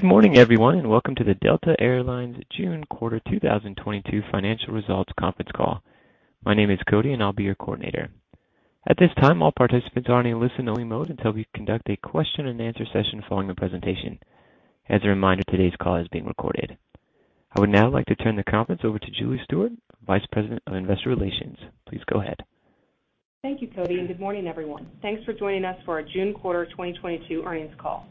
Good morning, everyone, and welcome to the Delta Air Lines June quarter 2022 financial results conference call. My name is Cody, and I'll be your coordinator. At this time, all participants are in a listen-only mode until we conduct a question-and-answer session following the presentation. As a reminder, today's call is being recorded. I would now like to turn the conference over to Julie Stewart, Vice President of Investor Relations. Please go ahead. Thank you, Cody, and good morning, everyone. Thanks for joining us for our June quarter 2022 earnings call.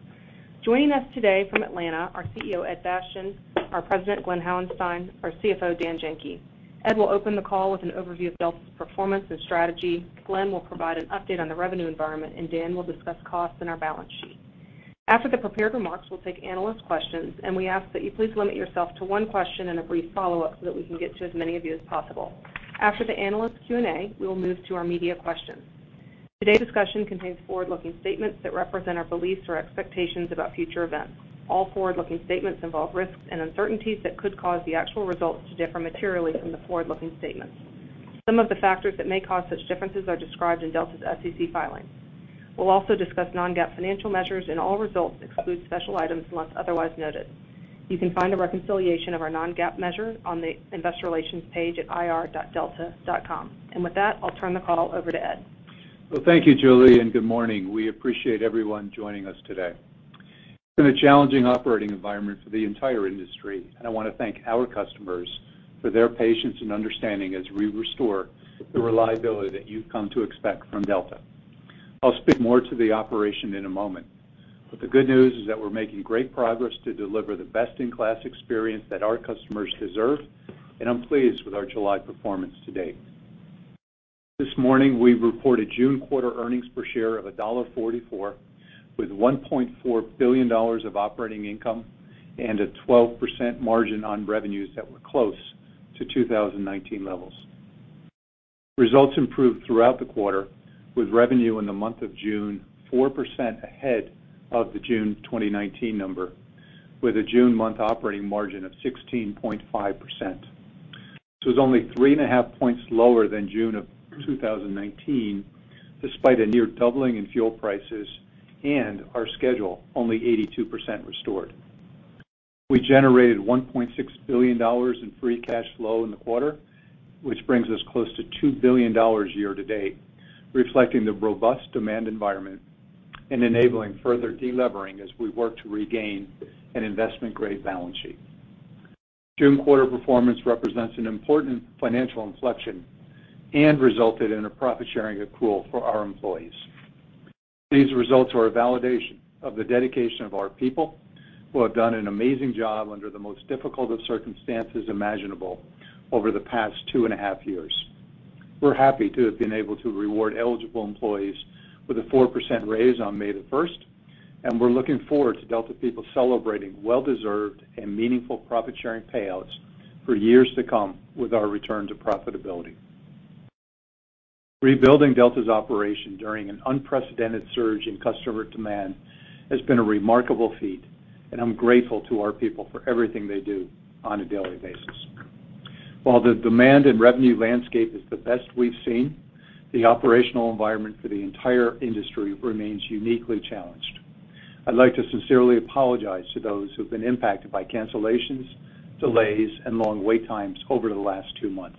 Joining us today from Atlanta, our CEO, Ed Bastian, our President, Glen Hauenstein, our CFO, Dan Janki. Ed will open the call with an overview of Delta's performance and strategy. Glen will provide an update on the revenue environment, and Dan will discuss costs and our balance sheet. After the prepared remarks, we'll take analyst questions, and we ask that you please limit yourself to one question and a brief follow-up so that we can get to as many of you as possible. After the analyst Q&A, we will move to our media questions. Today's discussion contains forward-looking statements that represent our beliefs or expectations about future events. All forward-looking statements involve risks and uncertainties that could cause the actual results to differ materially from the forward-looking statements. Some of the factors that may cause such differences are described in Delta's SEC filings. We'll also discuss non-GAAP financial measures, and all results exclude special items unless otherwise noted. You can find a reconciliation of our non-GAAP measure on the investor relations page at ir.delta.com. With that, I'll turn the call over to Ed. Well, thank you, Julie, and good morning. We appreciate everyone joining us today. It's been a challenging operating environment for the entire industry, and I want to thank our customers for their patience and understanding as we restore the reliability that you've come to expect from Delta. I'll speak more to the operation in a moment. The good news is that we're making great progress to deliver the best-in-class experience that our customers deserve, and I'm pleased with our July performance to date. This morning, we reported June quarter earnings per share of $1.44, with $1.4 billion of operating income and a 12% margin on revenues that were close to 2019 levels. Results improved throughout the quarter, with revenue in the month of June 4% ahead of the June 2019 number, with a June month operating margin of 16.5%. This was only 3.5 points lower than June 2019, despite a near doubling in fuel prices and our schedule only 82% restored. We generated $1.6 billion in free cash flow in the quarter, which brings us close to $2 billion year to date, reflecting the robust demand environment and enabling further delevering as we work to regain an investment-grade balance sheet. June quarter performance represents an important financial inflection and resulted in a profit-sharing accrual for our employees. These results are a validation of the dedication of our people, who have done an amazing job under the most difficult of circumstances imaginable over the past two-and-half years. We're happy to have been able to reward eligible employees with a 4% raise on May 1st, and we're looking forward to Delta people celebrating well-deserved and meaningful profit-sharing payouts for years to come with our return to profitability. Rebuilding Delta's operation during an unprecedented surge in customer demand has been a remarkable feat, and I'm grateful to our people for everything they do on a daily basis. While the demand and revenue landscape is the best we've seen, the operational environment for the entire industry remains uniquely challenged. I'd like to sincerely apologize to those who've been impacted by cancellations, delays, and long wait times over the last two months.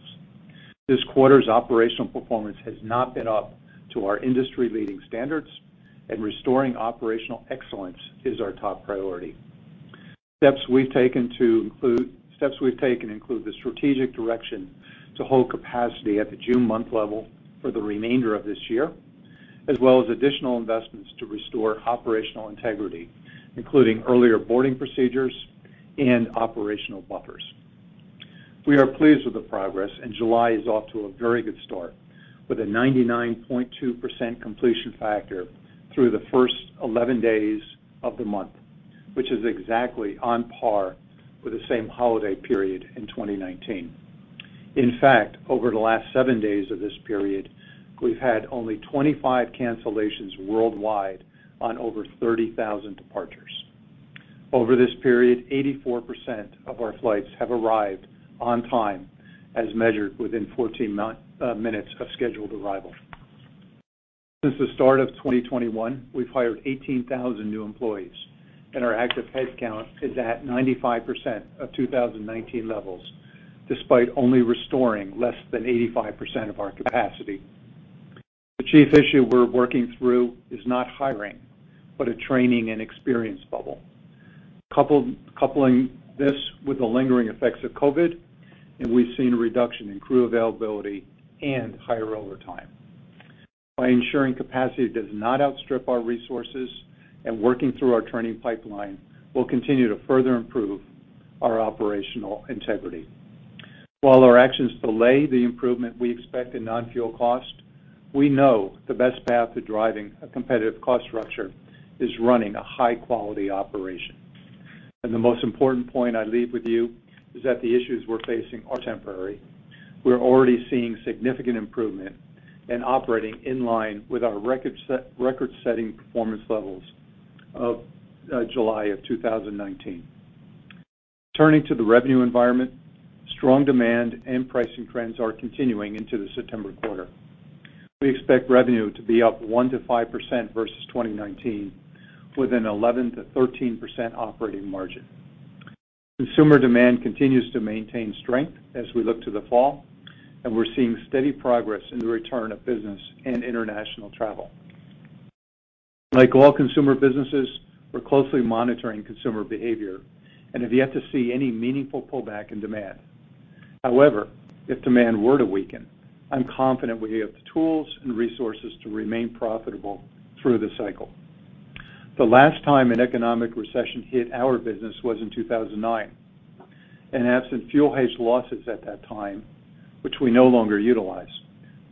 This quarter's operational performance has not been up to our industry-leading standards, and restoring operational excellence is our top priority. Steps we've taken include the strategic direction to hold capacity at the June month level for the remainder of this year, as well as additional investments to restore operational integrity, including earlier boarding procedures and operational buffers. We are pleased with the progress, and July is off to a very good start, with a 99.2% completion factor through the first 11 days of the month, which is exactly on par with the same holiday period in 2019. In fact, over the last seven days of this period, we've had only 25 cancellations worldwide on over 30,000 departures. Over this period, 84% of our flights have arrived on time, as measured within 14 minutes of scheduled arrival. Since the start of 2021, we've hired 18,000 new employees, and our active headcount is at 95% of 2019 levels, despite only restoring less than 85% of our capacity. The chief issue we're working through is not hiring, but a training and experience bubble. Coupling this with the lingering effects of COVID, and we've seen a reduction in crew availability and higher overtime. By ensuring capacity does not outstrip our resources and working through our training pipeline, we'll continue to further improve our operational integrity. While our actions delay the improvement we expect in non-fuel cost, we know the best path to driving a competitive cost structure is running a high-quality operation. The most important point I leave with you is that the issues we're facing are temporary. We're already seeing significant improvement and operating in line with our record-setting performance levels of July of 2019. Turning to the revenue environment. Strong demand and pricing trends are continuing into the September quarter. We expect revenue to be up 1%-5% versus 2019, with an 11%-13% operating margin. Consumer demand continues to maintain strength as we look to the fall, and we're seeing steady progress in the return of business and international travel. Like all consumer businesses, we're closely monitoring consumer behavior and have yet to see any meaningful pullback in demand. However, if demand were to weaken, I'm confident we have the tools and resources to remain profitable through the cycle. The last time an economic recession hit our business was in 2009. Absent fuel hedge losses at that time, which we no longer utilize,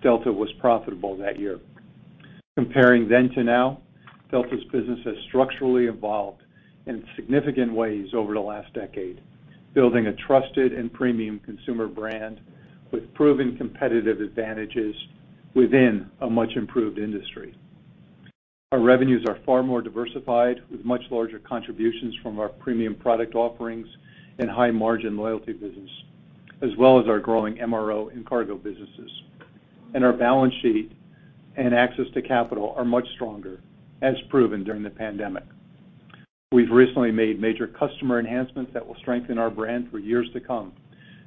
Delta was profitable that year. Comparing then to now, Delta's business has structurally evolved in significant ways over the last decade, building a trusted and premium consumer brand with proven competitive advantages within a much improved industry. Our revenues are far more diversified, with much larger contributions from our premium product offerings and high-margin loyalty business, as well as our growing MRO and cargo businesses. Our balance sheet and access to capital are much stronger, as proven during the pandemic. We've recently made major customer enhancements that will strengthen our brand for years to come,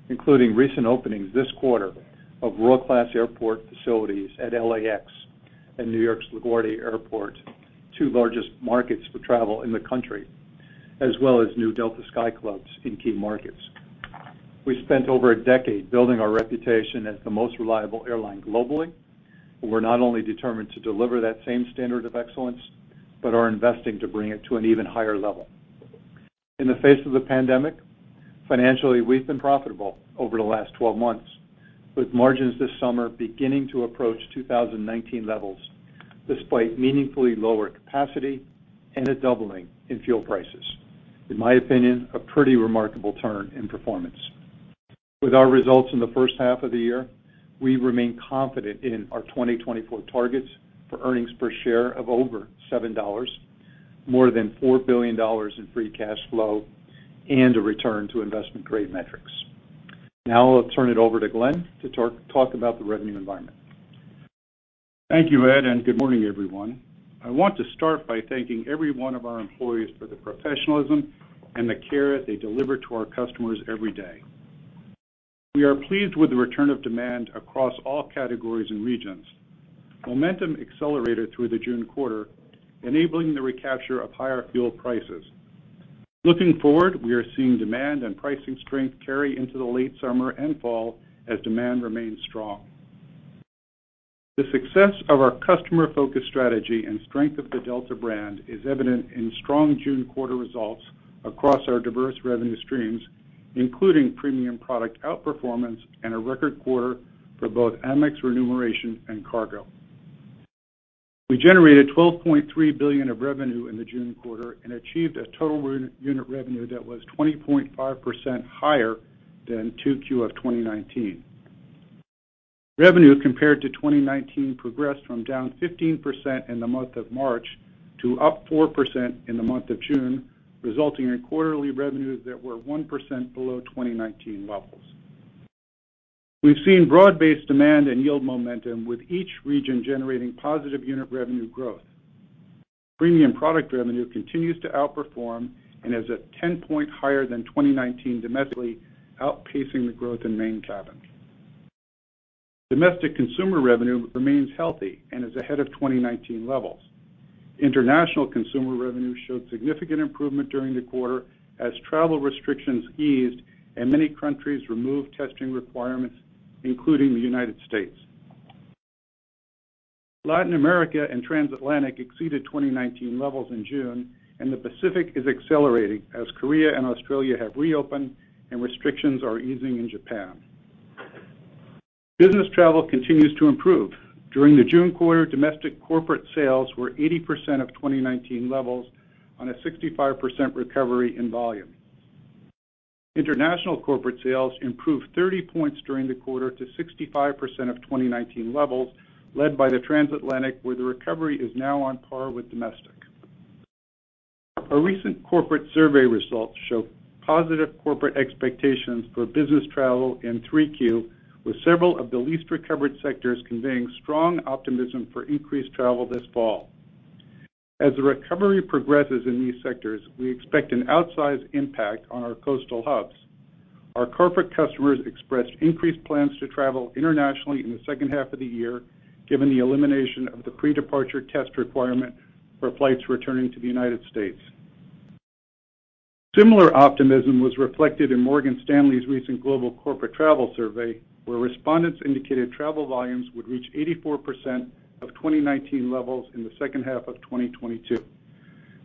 including recent openings this quarter of world-class airport facilities at LAX and New York's LaGuardia Airport, two largest markets for travel in the country, as well as new Delta Sky Club in key markets. We spent over a decade building our reputation as the most reliable airline globally, and we're not only determined to deliver that same standard of excellence, but are investing to bring it to an even higher level. In the face of the pandemic, financially, we've been profitable over the last 12 months, with margins this summer beginning to approach 2019 levels, despite meaningfully lower capacity and a doubling in fuel prices. In my opinion, a pretty remarkable turn in performance. With our results in the first half of the year, we remain confident in our 2024 targets for earnings per share of over $7, more than $4 billion in free cash flow, and a return to investment-grade metrics. Now I'll turn it over to Glen to talk about the revenue environment. Thank you, Ed, and good morning, everyone. I want to start by thanking every one of our employees for the professionalism and the care they deliver to our customers every day. We are pleased with the return of demand across all categories and regions. Momentum accelerated through the June quarter, enabling the recapture of higher fuel prices. Looking forward, we are seeing demand and pricing strength carry into the late summer and fall as demand remains strong. The success of our customer-focused strategy and strength of the Delta brand is evident in strong June quarter results across our diverse revenue streams, including premium product outperformance and a record quarter for both Amex remuneration and cargo. We generated $12.3 billion of revenue in the June quarter and achieved a total unit revenue that was 20.5% higher than 2Q of 2019. Revenue compared to 2019 progressed from down 15% in the month of March to up 4% in the month of June, resulting in quarterly revenues that were 1% below 2019 levels. We've seen broad-based demand and yield momentum, with each region generating positive unit revenue growth. Premium product revenue continues to outperform and is at 10 points higher than 2019 domestically, outpacing the growth in main cabin. Domestic consumer revenue remains healthy and is ahead of 2019 levels. International consumer revenue showed significant improvement during the quarter as travel restrictions eased and many countries removed testing requirements, including the United States. Latin America and Transatlantic exceeded 2019 levels in June, and the Pacific is accelerating as Korea and Australia have reopened and restrictions are easing in Japan. Business travel continues to improve. During the June quarter, domestic corporate sales were 80% of 2019 levels on a 65% recovery in volume. International corporate sales improved 30 points during the quarter to 65% of 2019 levels, led by the transatlantic, where the recovery is now on par with domestic. Our recent corporate survey results show positive corporate expectations for business travel in 3Q, with several of the least recovered sectors conveying strong optimism for increased travel this fall. As the recovery progresses in these sectors, we expect an outsized impact on our coastal hubs. Our corporate customers expressed increased plans to travel internationally in the second half of the year, given the elimination of the pre-departure test requirement for flights returning to the United States. Similar optimism was reflected in Morgan Stanley's recent Global Corporate Travel Survey, where respondents indicated travel volumes would reach 84% of 2019 levels in the second half of 2022.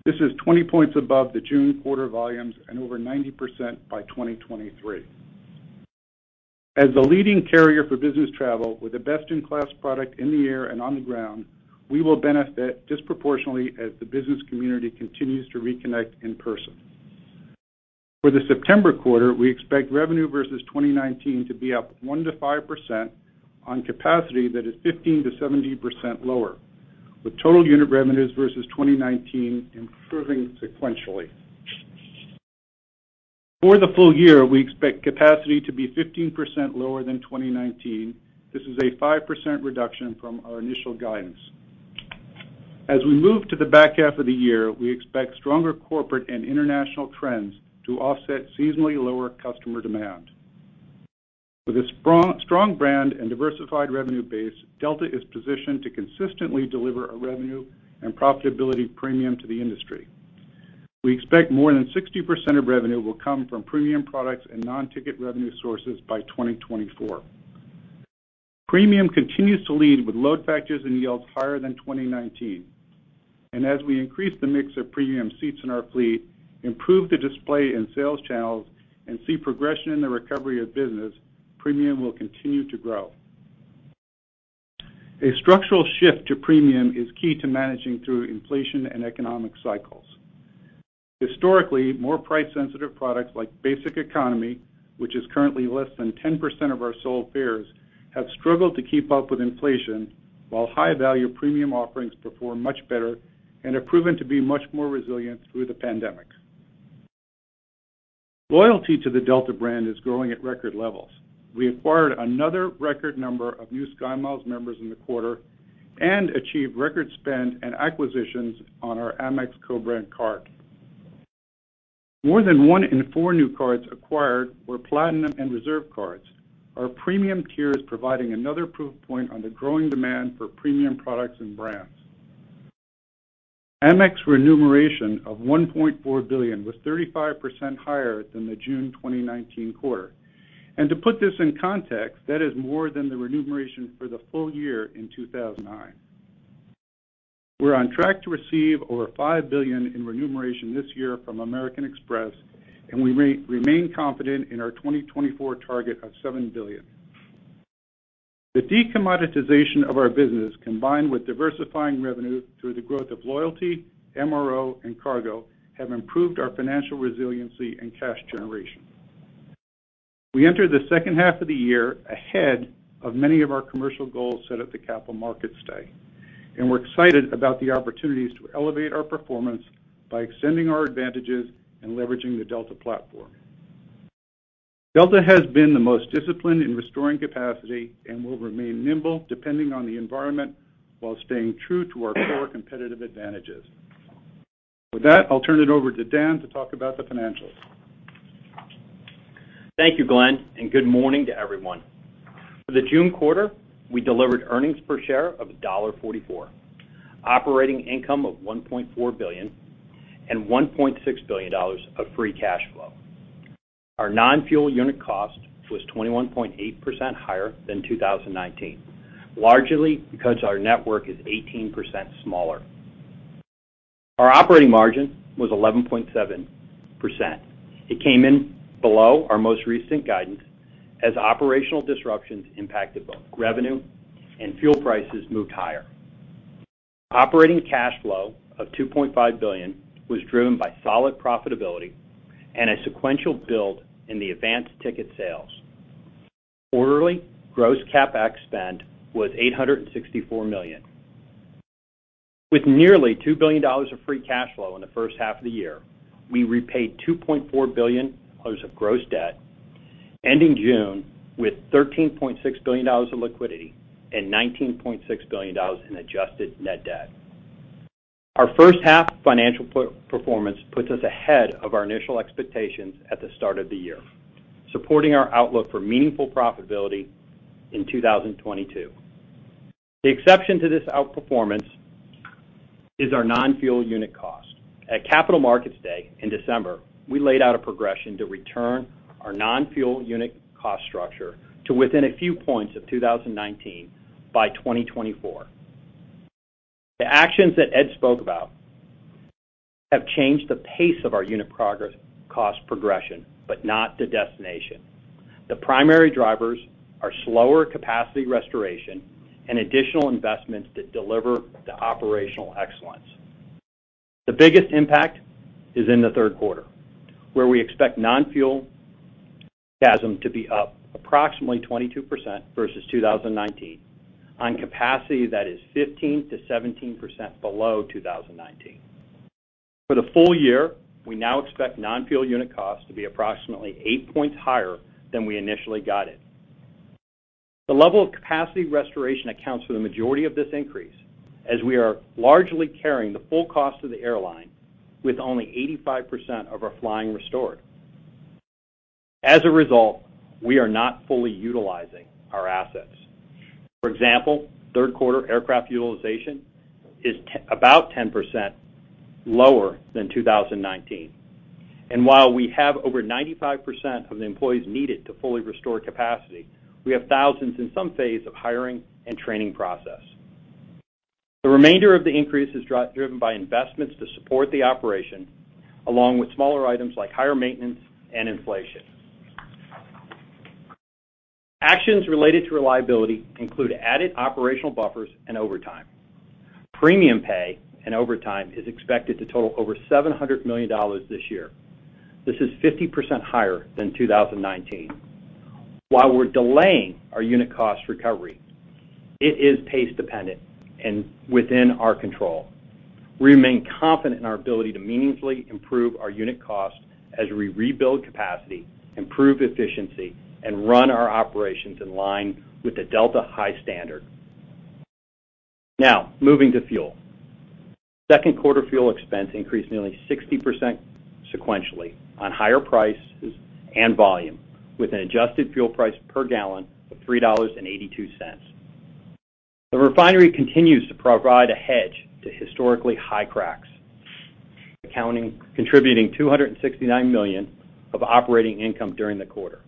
This is 20 points above the June quarter volumes and over 90% by 2023. As the leading carrier for business travel with a best-in-class product in the air and on the ground, we will benefit disproportionately as the business community continues to reconnect in person. For the September quarter, we expect revenue versus 2019 to be up 1%-5% on capacity that is 15%-17% lower. The total unit revenues versus 2019 improving sequentially. For the full year, we expect capacity to be 15% lower than 2019. This is a 5% reduction from our initial guidance. As we move to the back half of the year, we expect stronger corporate and international trends to offset seasonally lower customer demand. With a strong brand and diversified revenue base, Delta is positioned to consistently deliver a revenue and profitability premium to the industry. We expect more than 60% of revenue will come from premium products and non-ticket revenue sources by 2024. Premium continues to lead with load factors and yields higher than 2019. As we increase the mix of premium seats in our fleet, improve the display and sales channels, and see progression in the recovery of business, premium will continue to grow. A structural shift to premium is key to managing through inflation and economic cycles. Historically, more price-sensitive products like Basic Economy, which is currently less than 10% of our sold fares, have struggled to keep up with inflation, while high-value premium offerings perform much better and have proven to be much more resilient through the pandemic. Loyalty to the Delta brand is growing at record levels. We acquired another record number of new SkyMiles members in the quarter and achieved record spend and acquisitions on our Amex co-brand card. More than one in four new cards acquired were Platinum and Reserve cards. Our premium tier is providing another proof point on the growing demand for premium products and brands. Amex remuneration of $1.4 billion was 35% higher than the June 2019 quarter. To put this in context, that is more than the remuneration for the full year in 2009. We're on track to receive over $5 billion in remuneration this year from American Express, and we remain confident in our 2024 target of $7 billion. The decommoditization of our business, combined with diversifying revenue through the growth of loyalty, MRO, and cargo, have improved our financial resiliency and cash generation. We enter the second half of the year ahead of many of our commercial goals set at the Capital Markets Day, and we're excited about the opportunities to elevate our performance by extending our advantages and leveraging the Delta platform. Delta has been the most disciplined in restoring capacity and will remain nimble depending on the environment while staying true to our core competitive advantages. With that, I'll turn it over to Dan to talk about the financials. Thank you, Glen, and good morning to everyone. For the June quarter, we delivered earnings per share of $1.44, operating income of $1.4 billion, and $1.6 billion of free cash flow. Our non-fuel unit cost was 21.8% higher than 2019, largely because our network is 18% smaller. Our operating margin was 11.7%. It came in below our most recent guidance as operational disruptions impacted both revenue and fuel prices moved higher. Operating cash flow of $2.5 billion was driven by solid profitability and a sequential build in the advanced ticket sales. Quarterly gross CapEx spend was $864 million. With nearly $2 billion of free cash flow in the first half of the year, we repaid $2.4 billion of gross debt, ending June with $13.6 billion of liquidity and $19.6 billion in adjusted net debt. Our first half financial performance puts us ahead of our initial expectations at the start of the year, supporting our outlook for meaningful profitability in 2022. The exception to this outperformance is our non-fuel unit cost. At Capital Markets Day in December, we laid out a progression to return our non-fuel unit cost structure to within a few points of 2019 by 2024. The actions that Ed spoke about have changed the pace of our cost progression, but not the destination. The primary drivers are slower capacity restoration and additional investments that deliver the operational excellence. The biggest impact is in the third quarter, where we expect non-fuel CASM to be up approximately 22% versus 2019 on capacity that is 15%-17% below 2019. For the full year, we now expect non-fuel unit cost to be approximately 8 points higher than we initially guided. The level of capacity restoration accounts for the majority of this increase, as we are largely carrying the full cost of the airline with only 85% of our flying restored. As a result, we are not fully utilizing our assets. For example, third quarter aircraft utilization is about 10% lower than 2019. While we have over 95% of the employees needed to fully restore capacity, we have thousands in some phase of hiring and training process. The remainder of the increase is driven by investments to support the operation, along with smaller items like higher maintenance and inflation. Actions related to reliability include added operational buffers and overtime. Premium pay and overtime is expected to total over $700 million this year. This is 50% higher than 2019. While we're delaying our unit cost recovery, it is pace dependent and within our control. We remain confident in our ability to meaningfully improve our unit cost as we rebuild capacity, improve efficiency, and run our operations in line with the Delta high standard. Now, moving to fuel. Second quarter fuel expense increased nearly 60% sequentially on higher prices and volume, with an adjusted fuel price per gallon of $3.82. The refinery continues to provide a hedge to historically high cracks, contributing $269 million of operating income during the quarter.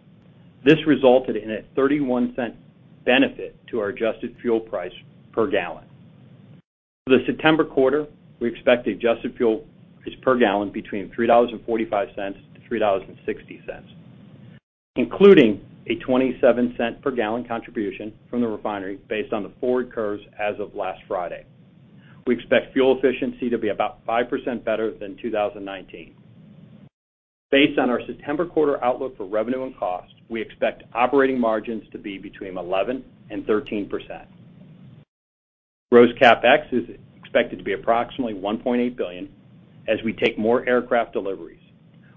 This resulted in a $0.31 benefit to our adjusted fuel price per gallon. For the September quarter, we expect adjusted fuel price per gallon between $3.45 and $3.60, including a $0.27 per gallon contribution from the refinery based on the forward curves as of last Friday. We expect fuel efficiency to be about 5% better than 2019. Based on our September quarter outlook for revenue and cost, we expect operating margins to be between 11% and 13%. Gross CapEx is expected to be approximately $1.8 billion as we take more aircraft deliveries.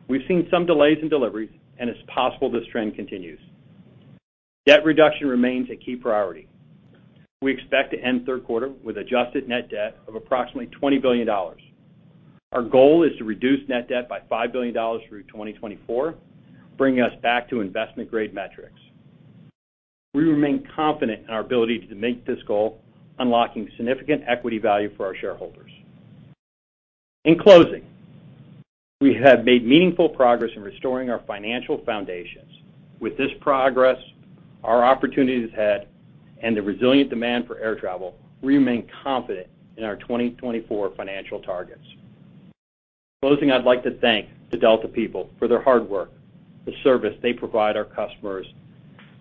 We've seen some delays in deliveries, and it's possible this trend continues. Debt reduction remains a key priority. We expect to end third quarter with adjusted net debt of approximately $20 billion. Our goal is to reduce net debt by $5 billion through 2024, bringing us back to investment-grade metrics. We remain confident in our ability to make this goal, unlocking significant equity value for our shareholders. In closing, we have made meaningful progress in restoring our financial foundations. With this progress, our opportunities ahead, and the resilient demand for air travel, we remain confident in our 2024 financial targets. In closing, I'd like to thank the Delta people for their hard work, the service they provide our customers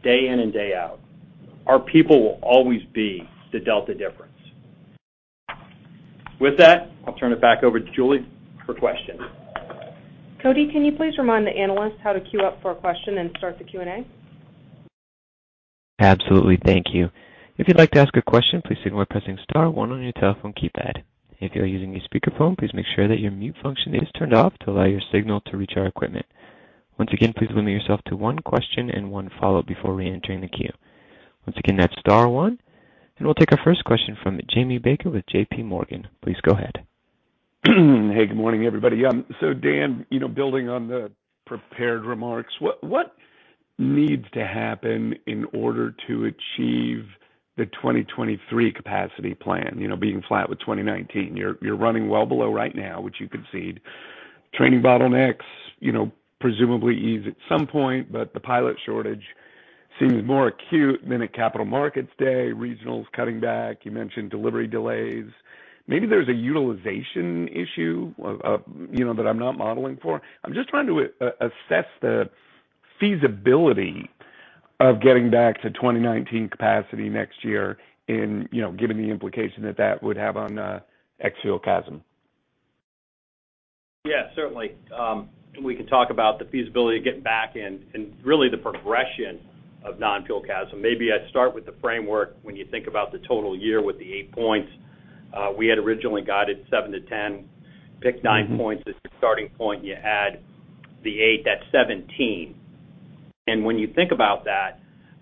day in and day out. Our people will always be the Delta difference. With that, I'll turn it back over to Julie for questions. Cody, can you please remind the analysts how to queue up for a question and start the Q&A? Absolutely. Thank you. If you'd like to ask a question, please begin by pressing star one on your telephone keypad. If you are using a speakerphone, please make sure that your mute function is turned off to allow your signal to reach our equipment. Once again, please limit yourself to one question and one follow-up before reentering the queue. Once again, that's star one, and we'll take our first question from Jamie Baker with J.P. Morgan. Please go ahead. Hey, good morning, everybody. So Dan, you know, building on the prepared remarks, what needs to happen in order to achieve the 2023 capacity plan, you know, being flat with 2019? You're running well below right now, which you concede. Training bottlenecks, you know, presumably ease at some point, but the pilot shortage seems more acute than at Capital Markets Day. Regionals cutting back. You mentioned delivery delays. Maybe there's a utilization issue, you know, that I'm not modeling for. I'm just trying to assess the feasibility of getting back to 2019 capacity next year, you know, given the implication that that would have on ex-fuel CASM. Yeah, certainly. We can talk about the feasibility of getting back and really the progression of non-fuel CASM. Maybe I'd start with the framework when you think about the total year with the eight points. We had originally guided seven to 10. Pick nine points as the starting point, you add the eight, that's 17. When you think about that,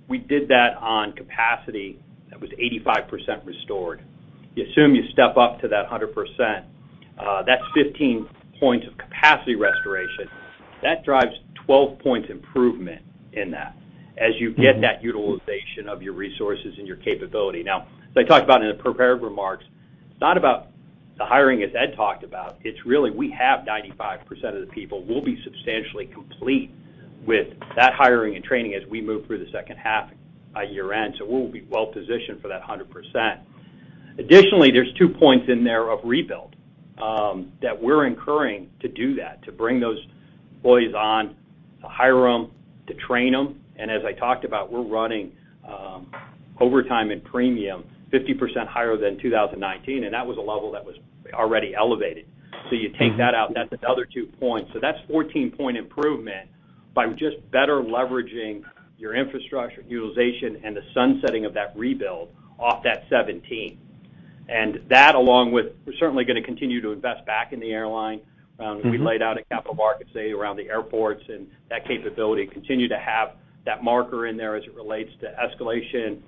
we did that on capacity that was 85% restored. You assume you step up to that 100%, that's 15 points of capacity restoration. That drives 12 points improvement in that as you get that utilization of your resources and your capability. Now, as I talked about in the prepared remarks, it's not about the hiring as Ed talked about. It's really we have 95% of the people. We'll be substantially complete with that hiring and training as we move through the second half by year-end. We'll be well-positioned for that 100%. Additionally, there's two points in there of rebuild that we're incurring to do that, to bring those employees on, to hire them, to train them. As I talked about, we're running overtime and premium 50% higher than 2019, and that was a level that was already elevated. You take that out, that's another two points. That's 14-point improvement by just better leveraging your infrastructure utilization and the sunsetting of that rebuild off that 17. That along with, we're certainly gonna continue to invest back in the airline, as we laid out at Capital Markets Day around the airports and that capability continue to have that marker in there as it relates to escalation,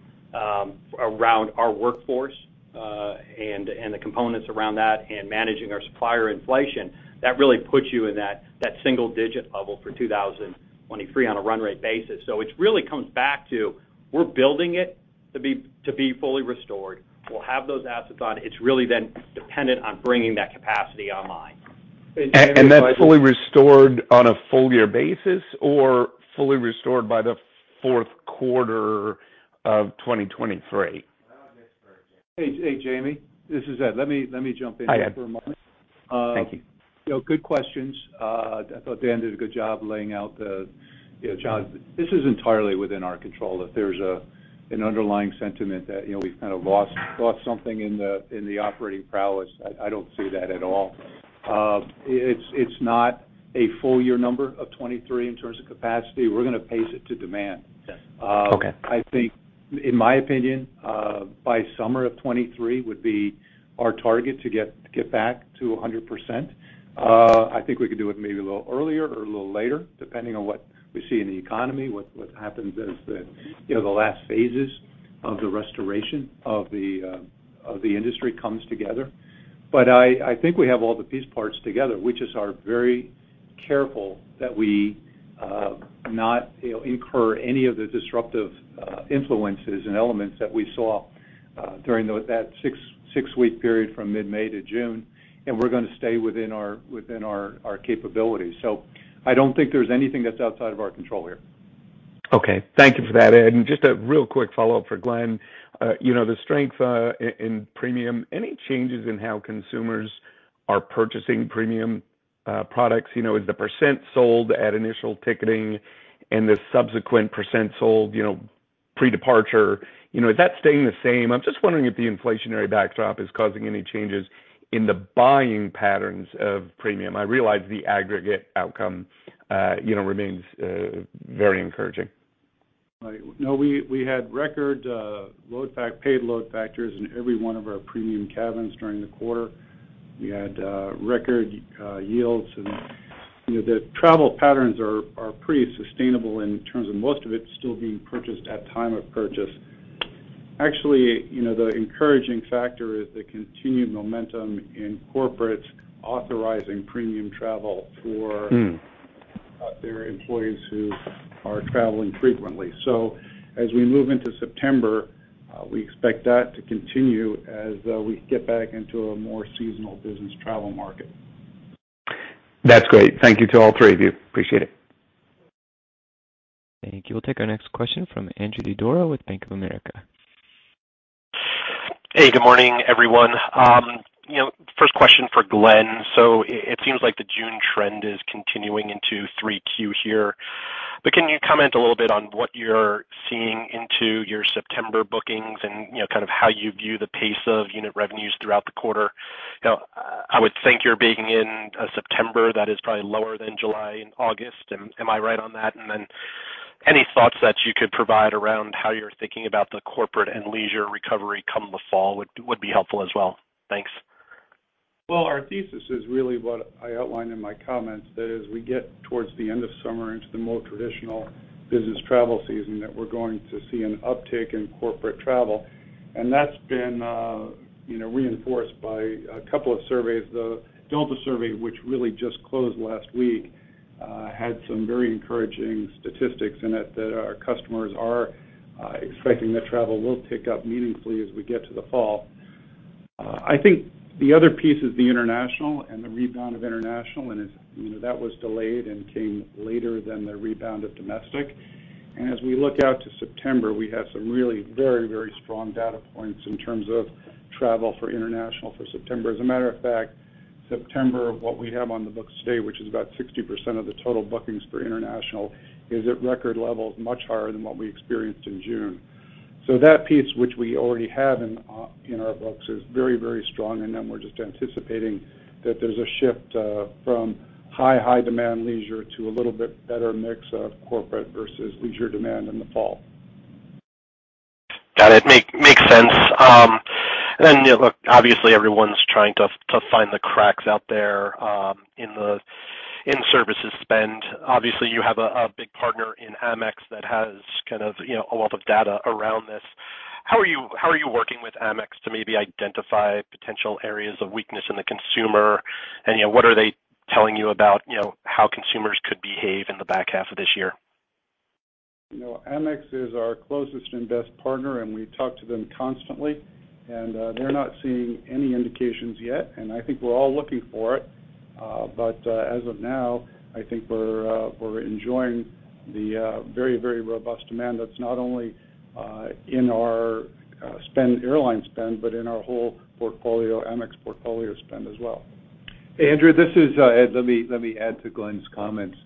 around our workforce, and the components around that and managing our supplier inflation. That really puts you in that single digit level for 2023 on a run rate basis. It really comes back to, we're building it to be fully restored. We'll have those assets on. It's really then dependent on bringing that capacity online. That's fully restored on a full year basis or fully restored by the fourth quarter of 2023? That one is for Ed. Hey, Jamie. This is Ed. Let me jump in here for a moment. Hi, Ed. Thank you. You know, good questions. I thought Dan did a good job laying out the, you know, challenge. This is entirely within our control. If there's a An underlying sentiment that, you know, we've kind of lost something in the operating prowess. I don't see that at all. It's not a full year number of 2023 in terms of capacity. We're gonna pace it to demand. Yes. Okay. I think in my opinion, by summer of 2023 would be our target to get back to 100%. I think we could do it maybe a little earlier or a little later, depending on what we see in the economy, what happens as the, you know, the last phases of the restoration of the industry comes together. I think we have all the piece parts together. We just are very careful that we not, you know, incur any of the disruptive influences and elements that we saw during that six-week period from mid-May to June, and we're gonna stay within our capabilities. I don't think there's anything that's outside of our control here. Okay. Thank you for that, Ed. Just a real quick follow-up for Glen. You know, the strength in premium, any changes in how consumers are purchasing premium products? You know, is the percent sold at initial ticketing and the subsequent percent sold, you know, pre-departure, you know, is that staying the same? I'm just wondering if the inflationary backdrop is causing any changes in the buying patterns of premium. I realize the aggregate outcome, you know, remains very encouraging. Right. No, we had record paid load factors in every one of our premium cabins during the quarter. We had record yields. You know, the travel patterns are pretty sustainable in terms of most of it still being purchased at time of purchase. Actually, you know, the encouraging factor is the continued momentum in corporate authorizing premium travel for. Hmm. their employees who are traveling frequently. As we move into September, we expect that to continue as we get back into a more seasonal business travel market. That's great. Thank you to all three of you. Appreciate it. Thank you. We'll take our next question from Andrew Didora with Bank of America. Hey, good morning, everyone. You know, first question for Glen. It seems like the June trend is continuing into 3Q here, but can you comment a little bit on what you're seeing into your September bookings and, you know, kind of how you view the pace of unit revenues throughout the quarter? You know, I would think you're baking in a September that is probably lower than July and August. Am I right on that? And then any thoughts that you could provide around how you're thinking about the corporate and leisure recovery come the fall would be helpful as well. Thanks. Well, our thesis is really what I outlined in my comments, that as we get towards the end of summer into the more traditional business travel season, that we're going to see an uptick in corporate travel. That's been, you know, reinforced by a couple of surveys. The Delta survey, which really just closed last week, had some very encouraging statistics in it that our customers are expecting that travel will pick up meaningfully as we get to the fall. I think the other piece is the international and the rebound of international, and it's, you know, that was delayed and came later than the rebound of domestic. As we look out to September, we have some really very, very strong data points in terms of travel for international for September. As a matter of fact, September, what we have on the books today, which is about 60% of the total bookings for international, is at record levels much higher than what we experienced in June. That piece, which we already have in our books, is very, very strong. We're just anticipating that there's a shift from high demand leisure to a little bit better mix of corporate versus leisure demand in the fall. Got it. Makes sense. You know, look, obviously everyone's trying to find the cracks out there in services spend. Obviously, you have a big partner in Amex that has kind of, you know, a lot of data around this. How are you working with Amex to maybe identify potential areas of weakness in the consumer? You know, what are they telling you about, you know, how consumers could behave in the back half of this year? You know, Amex is our closest and best partner, and we talk to them constantly. They're not seeing any indications yet, and I think we're all looking for it. As of now, I think we're enjoying the very, very robust demand that's not only in our spend, airline spend, but in our whole portfolio, Amex portfolio spend as well. Andrew, this is Ed. Let me add to Glen's comments.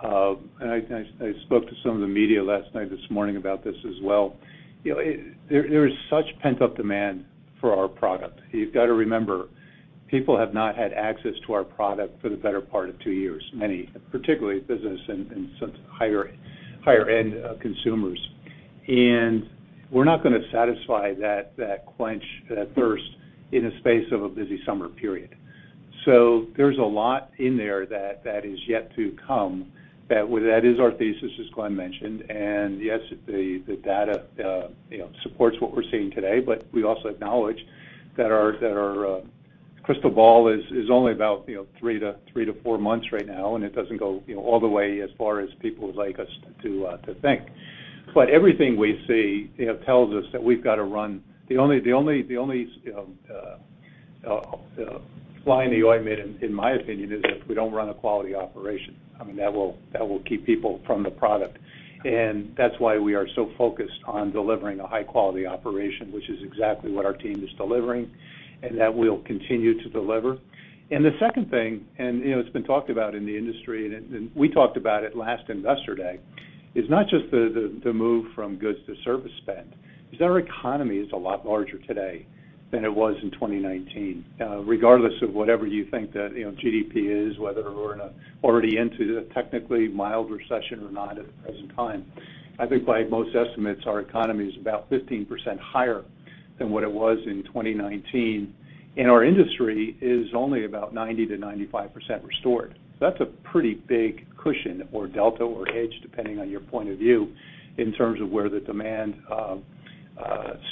I spoke to some of the media last night, this morning about this as well. You know, there is such pent-up demand for our product. You've got to remember, people have not had access to our product for the better part of two years, many, particularly business and some higher-end consumers. We're not gonna satisfy that quench, that thirst in the space of a busy summer period. There's a lot in there that is yet to come, that is our thesis, as Glen mentioned. Yes, the data, you know, supports what we're seeing today, but we also acknowledge that our crystal ball is only about, you know, three to four months right now, and it doesn't go, you know, all the way as far as people would like us to think. Everything we see, you know, tells us that we've got to run. The only, you know, fly in the ointment, in my opinion, is if we don't run a quality operation. I mean, that will keep people from the product. That's why we are so focused on delivering a high-quality operation, which is exactly what our team is delivering and that we'll continue to deliver. The second thing, you know, it's been talked about in the industry and we talked about it last Investor Day. It's not just the move from goods to service spend. It's our economy is a lot larger today than it was in 2019, regardless of whatever you think that, you know, GDP is, whether we're already into a technically mild recession or not at present time. I think by most estimates, our economy is about 15% higher than what it was in 2019, and our industry is only about 90%-95% restored. That's a pretty big cushion or delta or edge, depending on your point of view, in terms of where the demand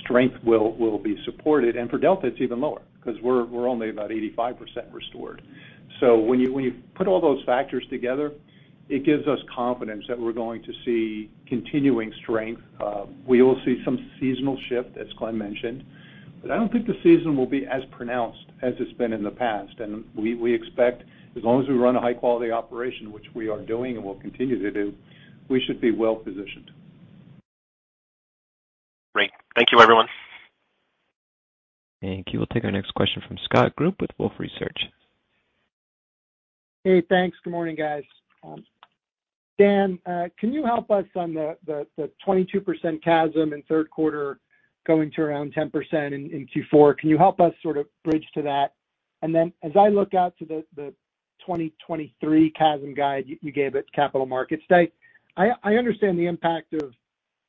strength will be supported. For Delta, it's even lower because we're only about 85% restored. When you put all those factors together, it gives us confidence that we're going to see continuing strength. We will see some seasonal shift, as Glen mentioned, but I don't think the season will be as pronounced as it's been in the past. We expect as long as we run a high-quality operation, which we are doing and will continue to do, we should be well-positioned. Great. Thank you, everyone. Thank you. We'll take our next question from Scott Group with Wolfe Research. Hey, thanks. Good morning, guys. Dan, can you help us on the 22% CASM in third quarter going to around 10% in Q4? Can you help us sort of bridge to that? Then as I look out to the 2023 CASM guide you gave at Capital Markets Day, I understand the impact of, you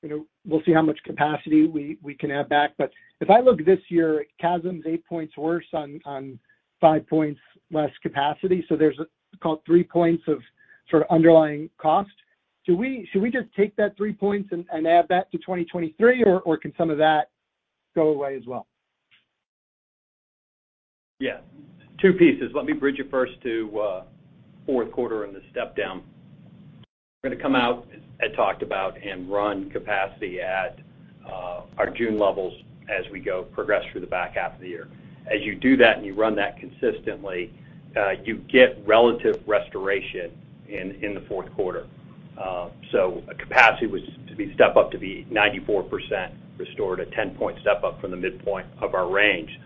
know, we'll see how much capacity we can add back. If I look this year, CASM's eight points worse on five points less capacity, so there's a call it three points of sort of underlying cost. Should we just take that three points and add that to 2023, or can some of that go away as well? Yeah. Two pieces. Let me bridge it first to fourth quarter and the step down. We're gonna come out, as Ed talked about, and run capacity at our June levels as we progress through the back half of the year. As you do that and you run that consistently, you get relative restoration in the fourth quarter. Capacity is to step up to be 94% restored, a 10-point step up from the midpoint of our range.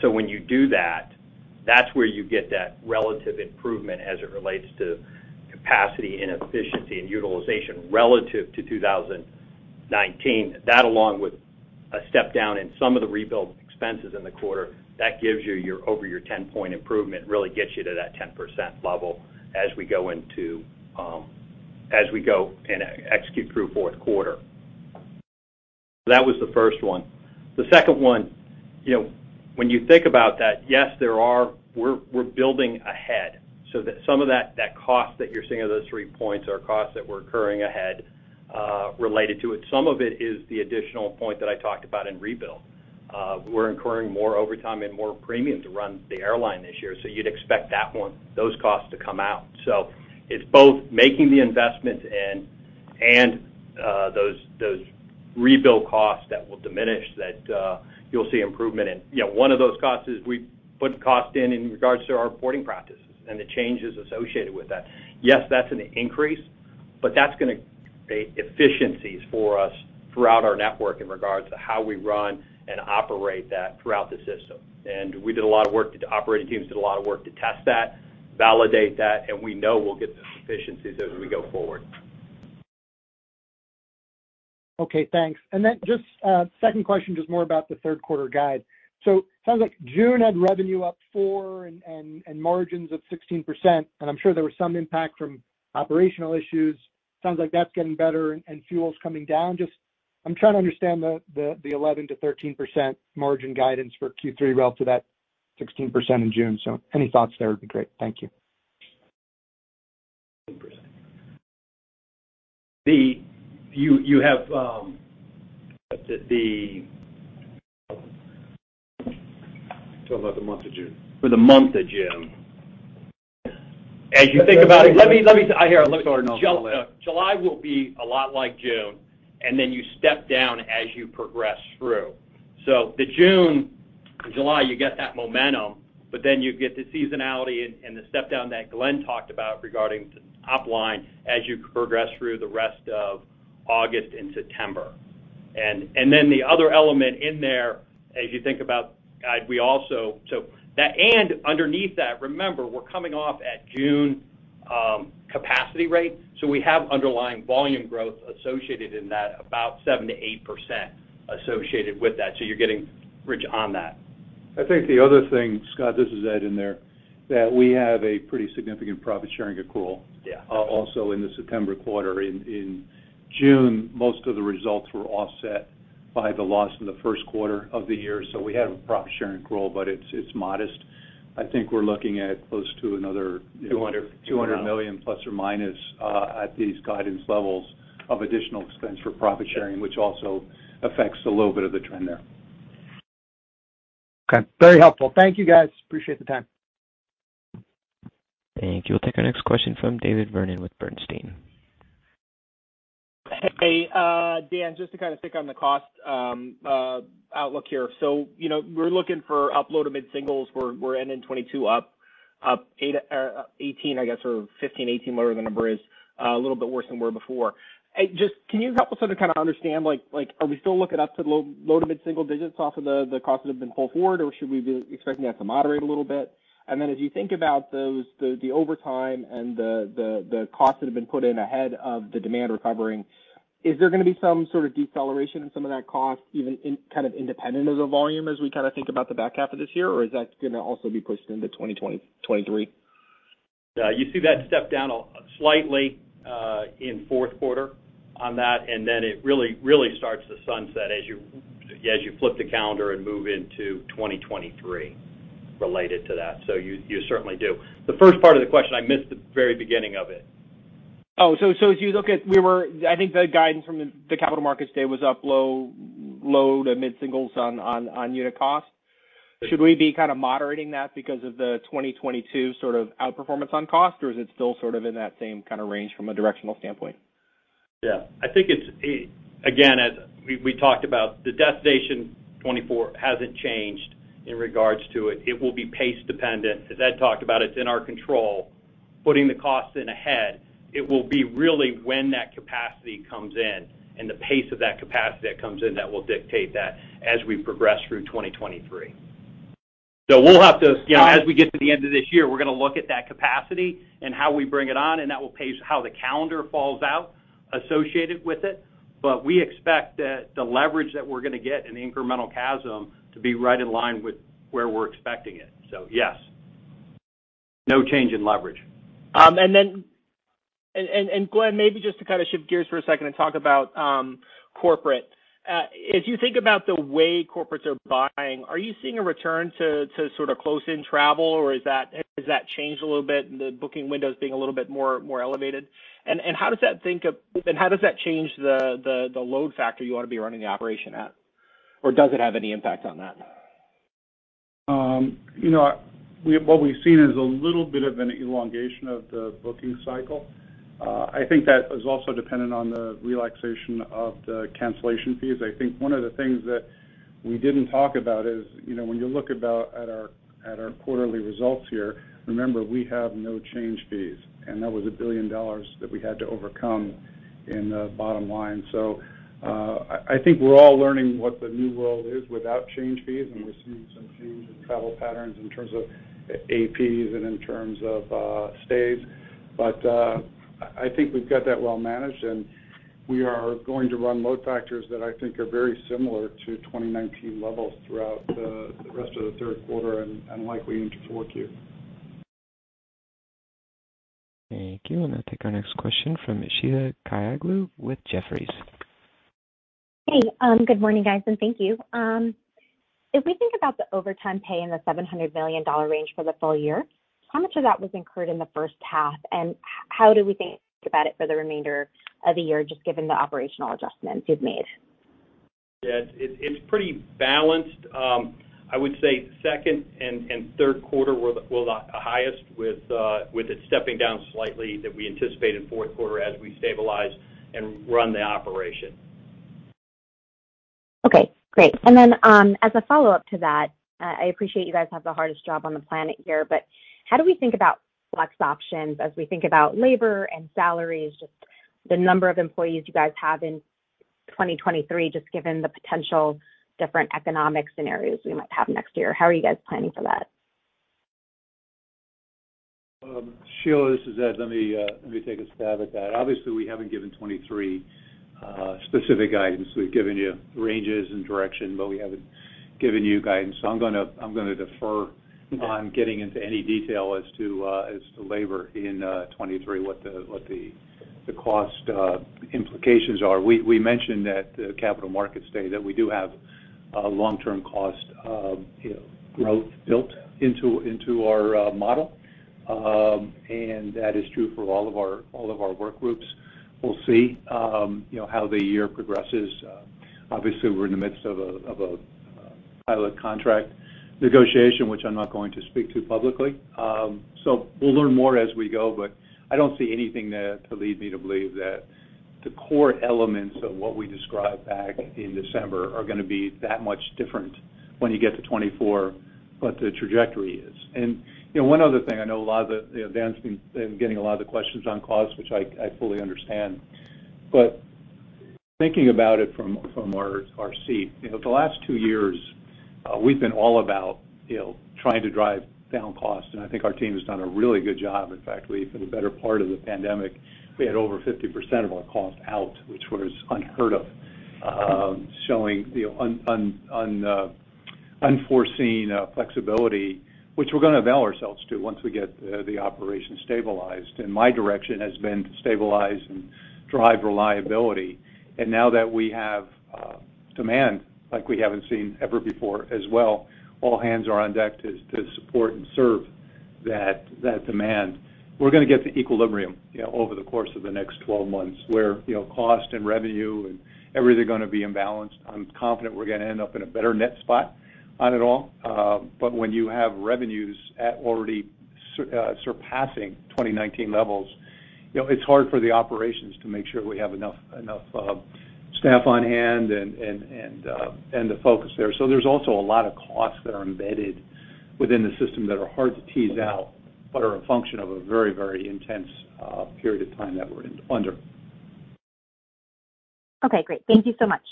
When you do that's where you get that relative improvement as it relates to capacity and efficiency and utilization relative to 2019. That along with a step down in some of the rebuild expenses in the quarter, that gives you your over your 10-point improvement, really gets you to that 10% level as we go into as we go and execute through fourth quarter. That was the first one. The second one, you know, when you think about that, yes, there are. We're building ahead so that some of that cost that you're seeing of those three points are costs that we're incurring ahead related to it. Some of it is the additional point that I talked about in rebuild. We're incurring more overtime and more premium to run the airline this year, so you'd expect that one, those costs to come out. It's both making the investments and those rebuild costs that will diminish that. You'll see improvement in. You know, one of those costs is we put costs in regards to our reporting practices and the changes associated with that. Yes, that's an increase, but that's gonna create efficiencies for us throughout our network in regards to how we run and operate that throughout the system. We did a lot of work, the operating teams did a lot of work to test that, validate that, and we know we'll get those efficiencies as we go forward. Okay, thanks. Then just a second question, just more about the third quarter guide. It sounds like June had revenue up 4% and margins of 16%, and I'm sure there was some impact from operational issues. Sounds like that's getting better and fuel's coming down. Just, I'm trying to understand the 11%-13% margin guidance for Q3 relative to that 16% in June. Any thoughts there would be great. Thank you. 16%. You have the Talking about the month of June. For the month of June. As you think about it, let me. Sort of know where- July will be a lot like June, and then you step down as you progress through. The June and July, you get that momentum, but then you get the seasonality and the step down that Glen talked about regarding the top line as you progress through the rest of August and September. Then the other element in there as you think about guide, underneath that, remember, we're coming off of June capacity rates, so we have underlying volume growth associated in that, about 7%-8% associated with that, so you're getting rich on that. I think the other thing, Scott, this is Ed in there, that we have a pretty significant profit sharing accrual. Yeah Also in the September quarter. In June, most of the results were offset by the loss in the first quarter of the year. We have a profit sharing accrual, but it's modest. I think we're looking at close to another 200 $200 million ±, at these guidance levels of additional expense for profit sharing, which also affects a little bit of the trend there. Okay. Very helpful. Thank you, guys. Appreciate the time. Thank you. We'll take our next question from David Vernon with Bernstein. Hey, Dan, just to kind of pick on the cost outlook here. You know, we're looking for up low- to mid-single digits. We're ending 2022 up 8% or 18%, I guess, or 15, 18, whatever the number is, a little bit worse than we were before. Just can you help us sort of, kind of understand, like, are we still looking up to the low- to mid-single digits off of the costs that have been pulled forward, or should we be expecting that to moderate a little bit? As you think about those, the overtime and the costs that have been put in ahead of the demand recovering, is there gonna be some sort of deceleration in some of that cost, even in kind of independent of the volume as we kind of think about the back half of this year? Or is that gonna also be pushed into 2023? Yeah. You see that step down slightly in fourth quarter on that, and then it really starts to sunset as you flip the calendar and move into 2023 related to that. You certainly do. The first part of the question, I missed the very beginning of it. As you look at, I think the guidance from the Capital Markets Day was up low to mid-singles on unit costs. Should we be kind of moderating that because of the 2022 sort of outperformance on cost, or is it still sort of in that same kind of range from a directional standpoint? Yeah. I think it's again, as we talked about, the Destination 2024 hasn't changed in regards to it. It will be pace dependent. As Ed talked about, it's in our control. Putting the costs in ahead, it will be really when that capacity comes in and the pace of that capacity that comes in that will dictate that as we progress through 2023. We'll have to, you know, as we get to the end of this year, we're gonna look at that capacity and how we bring it on, and that will pace how the calendar falls out associated with it. We expect the leverage that we're gonna get in the incremental CASM to be right in line with where we're expecting it. Yes, no change in leverage. Glen, maybe just to kind of shift gears for a second and talk about corporate. As you think about the way corporates are buying, are you seeing a return to sort of close-in travel, or has that changed a little bit in the booking windows being a little bit more elevated? How does that change the load factor you ought to be running the operation at? Or does it have any impact on that? You know, what we've seen is a little bit of an elongation of the booking cycle. I think that is also dependent on the relaxation of the cancellation fees. I think one of the things that we didn't talk about is, you know, when you look at our quarterly results here, remember, we have no change fees, and that was $1 billion that we had to overcome in the bottom line. I think we're all learning what the new world is without change fees, and we're seeing some change in travel patterns in terms of APs and in terms of stays. I think we've got that well managed, and we are going to run load factors that I think are very similar to 2019 levels throughout the rest of the third quarter and likely into fourth Q. Thank you. I'm gonna take our next question from Sheila Kahyaoglu with Jefferies. Hey, good morning, guys, and thank you. If we think about the overtime pay in the $700 million range for the full year, how much of that was incurred in the first half? How do we think about it for the remainder of the year, just given the operational adjustments you've made? Yeah. It's pretty balanced. I would say second and third quarter were the highest with it stepping down slightly that we anticipate in fourth quarter as we stabilize and run the operation. Okay, great. As a follow-up to that, I appreciate you guys have the hardest job on the planet here, but how do we think about flex options as we think about labor and salaries, just the number of employees you guys have in 2023, just given the potential different economic scenarios we might have next year? How are you guys planning for that? Sheila, this is Ed. Let me take a stab at that. Obviously, we haven't given 2023 specific guidance. We've given you ranges and direction, but we haven't given you guidance. I'm gonna defer on getting into any detail as to labor in 2023, what the cost implications are. We mentioned at the Capital Markets Day that we do have long-term cost, you know, growth built into our model. That is true for all of our workgroups. We'll see, you know, how the year progresses. Obviously, we're in the midst of a pilot contract negotiation, which I'm not going to speak to publicly. We'll learn more as we go, but I don't see anything there to lead me to believe that the core elements of what we described back in December are gonna be that much different when you get to 2024, but the trajectory is. You know, one other thing, I know a lot of the, you know, Dan's been getting a lot of the questions on cost, which I fully understand. Thinking about it from our seat, you know, the last two years, we've been all about, you know, trying to drive down costs, and I think our team has done a really good job. In fact, we, for the better part of the pandemic, we had over 50% of our costs out, which was unheard of, showing, you know, unforeseen flexibility, which we're gonna avail ourselves to once we get the operation stabilized. My direction has been to stabilize and drive reliability. Now that we have demand like we haven't seen ever before as well, all hands are on deck to support and serve that demand. We're gonna get to equilibrium, you know, over the course of the next 12 months, where, you know, cost and revenue and everything are gonna be in balance. I'm confident we're gonna end up in a better net spot on it all. When you have revenues already surpassing 2019 levels, you know, it's hard for the operations to make sure we have enough staff on hand and the focus there. There's also a lot of costs that are embedded within the system that are hard to tease out, but are a function of a very intense period of time that we're under. Okay, great. Thank you so much.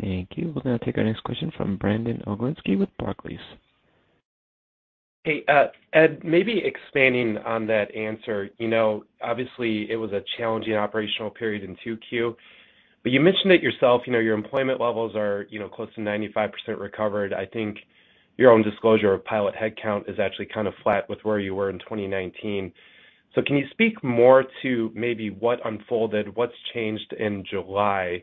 Thank you. We'll now take our next question from Brandon Oglenski with Barclays. Hey, Ed, maybe expanding on that answer. You know, obviously, it was a challenging operational period in 2Q, but you mentioned it yourself, you know, your employment levels are, you know, close to 95% recovered. I think your own disclosure of pilot headcount is actually kind of flat with where you were in 2019. Can you speak more to maybe what unfolded, what's changed in July?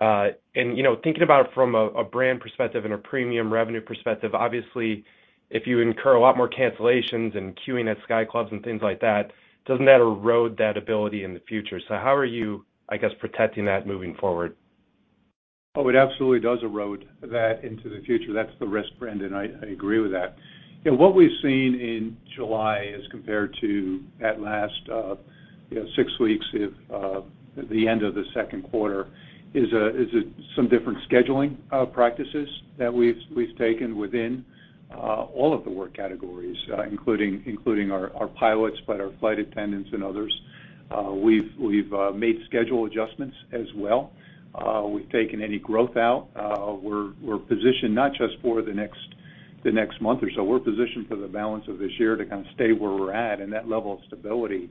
And, you know, thinking about it from a brand perspective and a premium revenue perspective, obviously, if you incur a lot more cancellations and queuing at Sky Clubs and things like that, doesn't that erode that ability in the future? How are you, I guess, protecting that moving forward? Oh, it absolutely does erode that into the future. That's the risk, Brandon. I agree with that. You know, what we've seen in July as compared to that last you know six weeks of the end of the second quarter is some different scheduling practices that we've taken within all of the work categories, including our pilots, but our flight attendants and others. We've made schedule adjustments as well. We've taken any growth out. We're positioned not just for the next month or so. We're positioned for the balance of this year to kind of stay where we're at, and that level of stability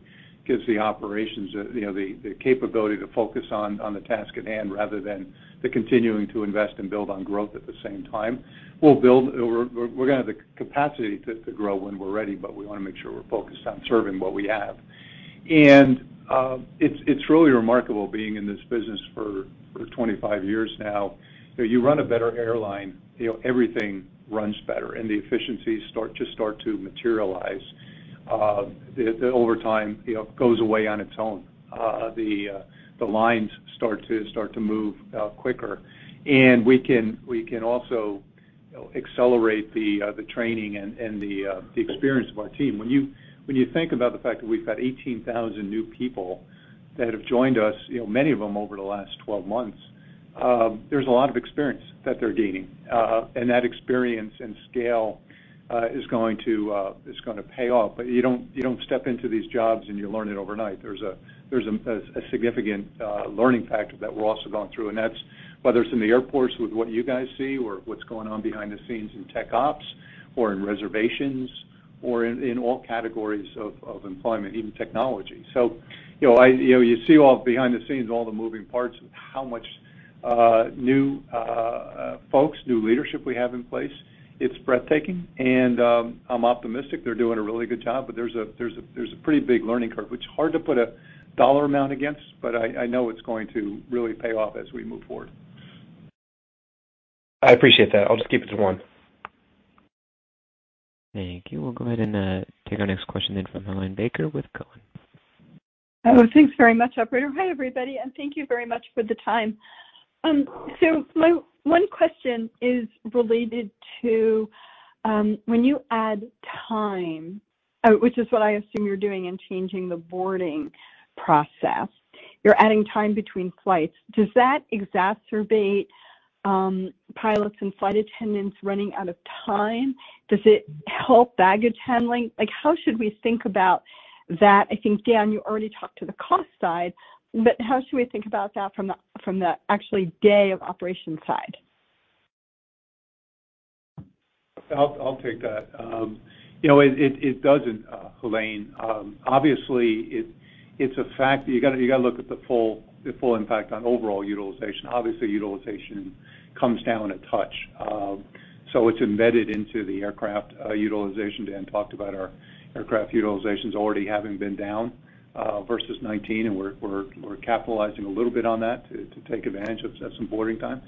gives the operations the capability to focus on the task at hand rather than continuing to invest and build on growth at the same time. We're gonna have the capacity to grow when we're ready, but we wanna make sure we're focused on serving what we have. It's really remarkable being in this business for 25 years now. You know, you run a better airline, you know, everything runs better, and the efficiencies start to materialize. The overtime, you know, goes away on its own. The lines start to move quicker. We can also, you know, accelerate the training and the experience of our team. When you think about the fact that we've got 18,000 new people that have joined us, you know, many of them over the last 12 months, there's a lot of experience that they're gaining. That experience and scale is gonna pay off. You don't step into these jobs, and you learn it overnight. There's a significant learning factor that we're also going through, and that's whether it's in the airports with what you guys see or what's going on behind the scenes in tech ops or in reservations or in all categories of employment, even technology. You know, you know, you see all behind the scenes, all the moving parts and how much new folks, new leadership we have in place. It's breathtaking, and I'm optimistic they're doing a really good job. There's a pretty big learning curve, which hard to put a dollar amount against, but I know it's going to really pay off as we move forward. I appreciate that. I'll just keep it to one. Thank you. We'll go ahead and take our next question then from Helane Becker with Cowen. Oh, thanks very much, operator. Hi, everybody, and thank you very much for the time. So my one question is related to when you add time, which is what I assume you're doing in changing the boarding process, you're adding time between flights. Does that exacerbate pilots and flight attendants running out of time? Does it help baggage handling? Like, how should we think about that? I think, Dan, you already talked to the cost side, but how should we think about that from the actually day-of-operation side? I'll take that. You know, it doesn't, Helane. Obviously, it's a fact that you gotta look at the full impact on overall utilization. Obviously, utilization comes down a touch. So it's embedded into the aircraft utilization. Dan talked about our aircraft utilization's already having been down versus 2019, and we're capitalizing a little bit on that to take advantage of some boarding time.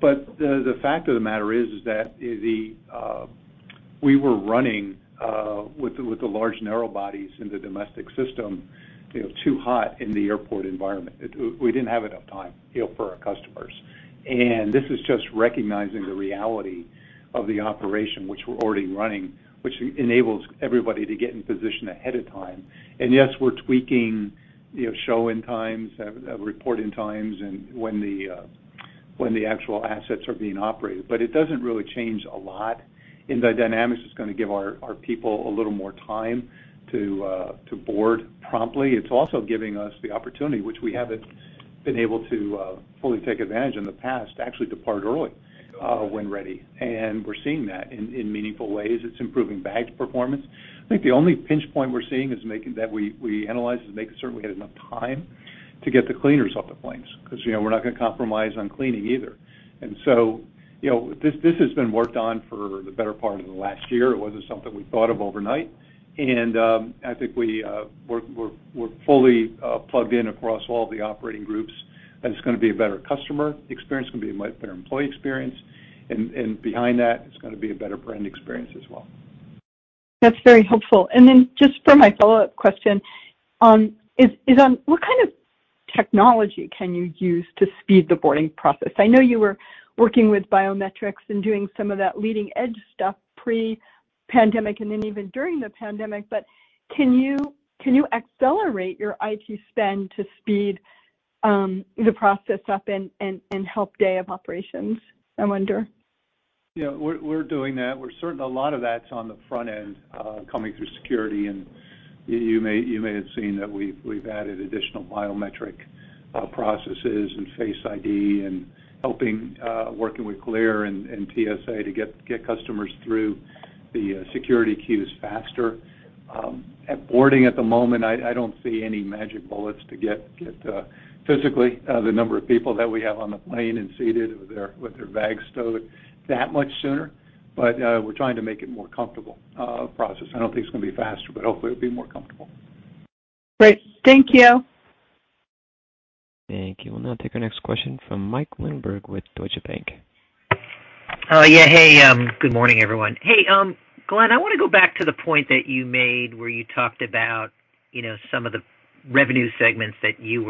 The fact of the matter is that we were running with the large narrow bodies in the domestic system, you know, too hot in the airport environment. We didn't have enough time, you know, for our customers. This is just recognizing the reality of the operation which we're already running, which enables everybody to get in position ahead of time. Yes, we're tweaking, you know, turn times, report-in times and when the actual assets are being operated. But it doesn't really change a lot in the dynamics. It's gonna give our people a little more time to board promptly. It's also giving us the opportunity, which we haven't been able to fully take advantage in the past, to actually depart early when ready, and we're seeing that in meaningful ways. It's improving baggage performance. I think the only pinch point we're seeing is making certain we have enough time to get the cleaners off the planes because, you know, we're not gonna compromise on cleaning either. You know, this has been worked on for the better part of the last year. It wasn't something we thought of overnight. I think we're fully plugged in across all the operating groups that it's gonna be a better customer experience. It's gonna be a much better employee experience. Behind that, it's gonna be a better brand experience as well. That's very helpful. Then just for my follow-up question, is on what kind of technology can you use to speed the boarding process? I know you were working with biometrics and doing some of that leading edge stuff pre-pandemic and then even during the pandemic, but can you accelerate your IT spend to speed the process up and help day-of operations, I wonder? Yeah, we're doing that. We're seeing a lot of that's on the front end, coming through security. You may have seen that we've added additional biometric processes and face ID and working with CLEAR and TSA to get customers through the security queues faster. At boarding, at the moment, I don't see any magic bullets to get physically the number of people that we have on the plane and seated with their bags stowed that much sooner. We're trying to make it more comfortable process. I don't think it's gonna be faster, but hopefully it'll be more comfortable. Great. Thank you. Thank you. We'll now take our next question from Michael Linenberg with Deutsche Bank. Oh, yeah. Hey, good morning, everyone. Hey, Glen, I wanna go back to the point that you made where you talked about, you know, some of the revenue segments that you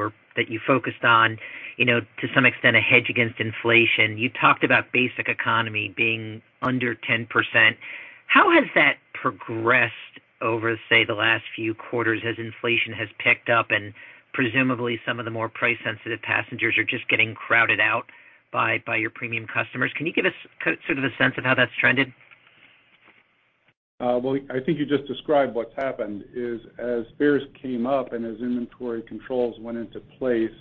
focused on, you know, to some extent a hedge against inflation. You talked about Basic Economy being under 10%. How has that progressed over, say, the last few quarters as inflation has picked up and presumably some of the more price-sensitive passengers are just getting crowded out by your premium customers? Can you give us sort of a sense of how that's trended? Well, I think you just described what's happened is as fares came up and as inventory controls went into place,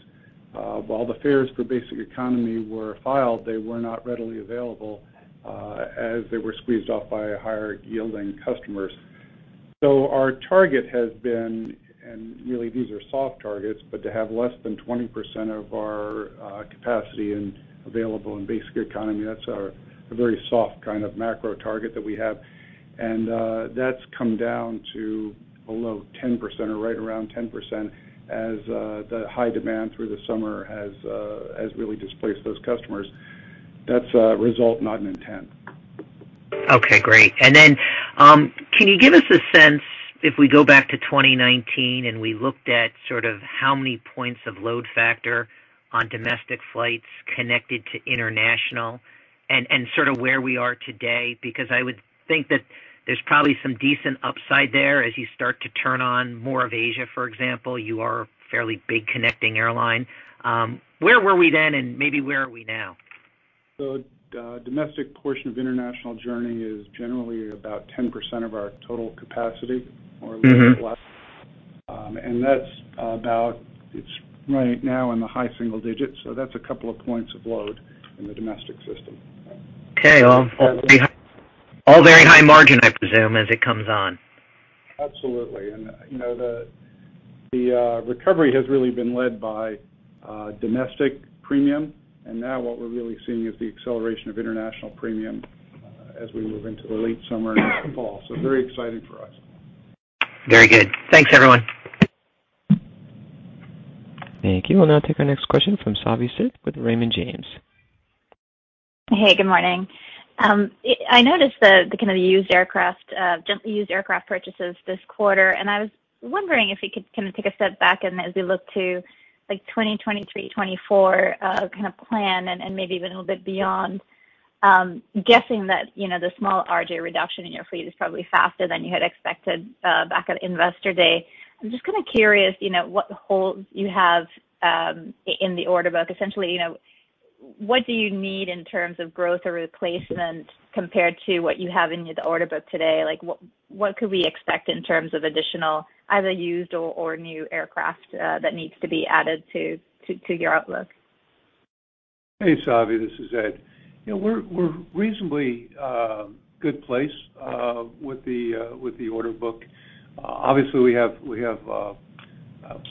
while the fares for Basic Economy were filed, they were not readily available, as they were squeezed off by higher-yielding customers. Our target has been, and really these are soft targets, but to have less than 20% of our capacity available in Basic Economy. That's our, a very soft kind of macro target that we have. That's come down to below 10% or right around 10% as the high demand through the summer has really displaced those customers. That's a result, not an intent. Okay, great. Can you give us a sense if we go back to 2019 and we looked at sort of how many points of load factor on domestic flights connected to international and sort of where we are today? Because I would think that there's probably some decent upside there as you start to turn on more of Asia, for example. You are a fairly big connecting airline. Where were we then and maybe where are we now? The domestic portion of international journey is generally about 10% of our total capacity or less. Mm-hmm. It's right now in the high single digits, so that's a couple of points of load in the domestic system. Okay. All very high margin, I presume, as it comes on. Absolutely. You know, the recovery has really been led by domestic premium. Now what we're really seeing is the acceleration of international premium as we move into the late summer and fall. Very exciting for us. Very good. Thanks, everyone. Thank you. We'll now take our next question from Savi Syth with Raymond James. Hey, good morning. I noticed the kind of used aircraft purchases this quarter, and I was wondering if you could kind of take a step back and as we look to like 2023, 2024, kind of plan and maybe even a little bit beyond, guessing that, you know, the small RJ reduction in your fleet is probably faster than you had expected back at Investor Day. I'm just kind of curious, you know, what holes you have in the order book. Essentially, you know, what do you need in terms of growth or replacement compared to what you have in your order book today? Like what could we expect in terms of additional either used or new aircraft that needs to be added to your outlook? Hey, Savi, this is Ed. You know, we're reasonably good place with the order book. Obviously, we have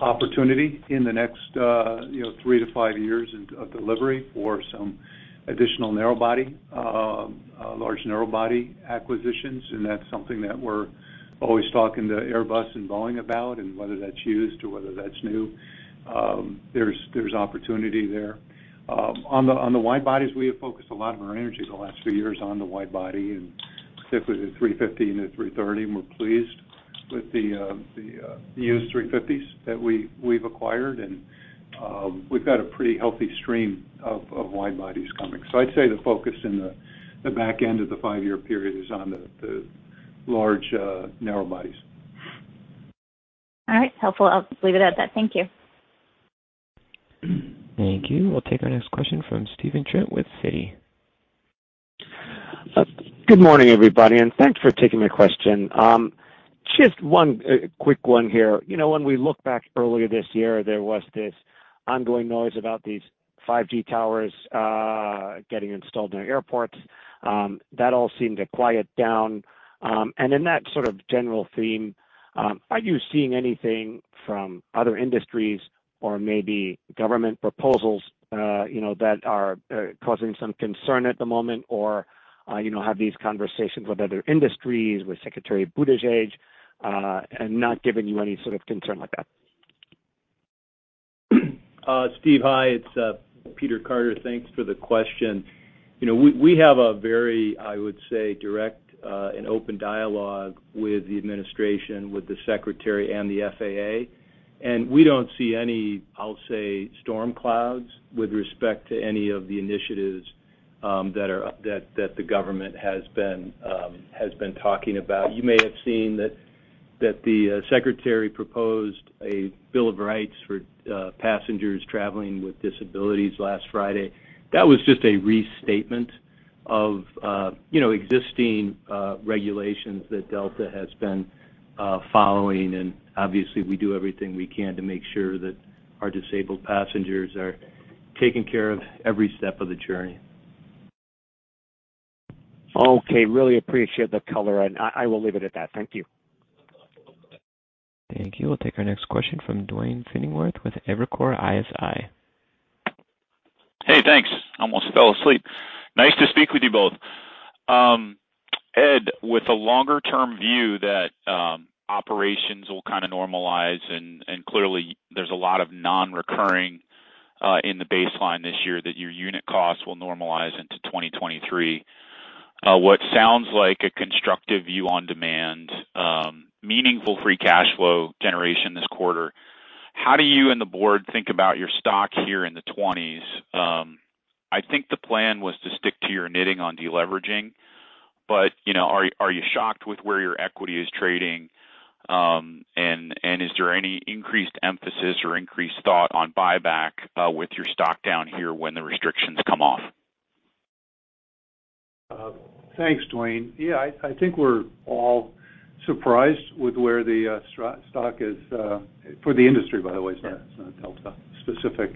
opportunity in the next, you know, 3-5 years of delivery for some additional narrow-body large narrow-body acquisitions, and that's something that we're always talking to Airbus and Boeing about and whether that's used or whether that's new. There's opportunity there. On the wide bodies, we have focused a lot of our energy the last few years on the wide-body and specifically the three fifty and the three thirty, and we're pleased with the used three fiftys that we've acquired. We've got a pretty healthy stream of wide bodies coming. I'd say the focus in the back end of the five-year period is on the large narrow bodies. All right. Helpful. I'll just leave it at that. Thank you. Thank you. We'll take our next question from Stephen Trent with Citi. Good morning, everybody, and thanks for taking my question. Just one quick one here. You know, when we look back earlier this year, there was this ongoing noise about these 5G towers getting installed in our airports. That all seemed to quiet down. In that sort of general theme, are you seeing anything from other industries or maybe government proposals, you know, that are causing some concern at the moment or, you know, have these conversations with other industries, with Secretary Buttigieg, and not giving you any sort of concern like that? Steve, hi, it's Peter Carter. Thanks for the question. You know, we have a very, I would say, direct and open dialogue with the administration, with the secretary and the FAA. We don't see any, I'll say, storm clouds with respect to any of the initiatives that the government has been talking about. You may have seen that the secretary proposed a bill of rights for passengers traveling with disabilities last Friday. That was just a restatement of, you know, existing regulations that Delta has been following. Obviously, we do everything we can to make sure that our disabled passengers are taken care of every step of the journey. Okay. Really appreciate the color, and I will leave it at that. Thank you. Thank you. We'll take our next question from Duane Pfennigwerth with Evercore ISI. Hey, thanks. I almost fell asleep. Nice to speak with you both. Ed, with a longer-term view that operations will kind of normalize, and clearly there's a lot of non-recurring in the baseline this year that your unit costs will normalize into 2023. What sounds like a constructive view on demand, meaningful free cash flow generation this quarter. How do you and the board think about your stock here in the twenties? I think the plan was to stick to your knitting on deleveraging, but you know, are you shocked with where your equity is trading? And is there any increased emphasis or increased thought on buyback with your stock down here when the restrictions come off? Thanks, Duane. I think we're all surprised with where the stock is for the industry, by the way. It's not Delta-specific,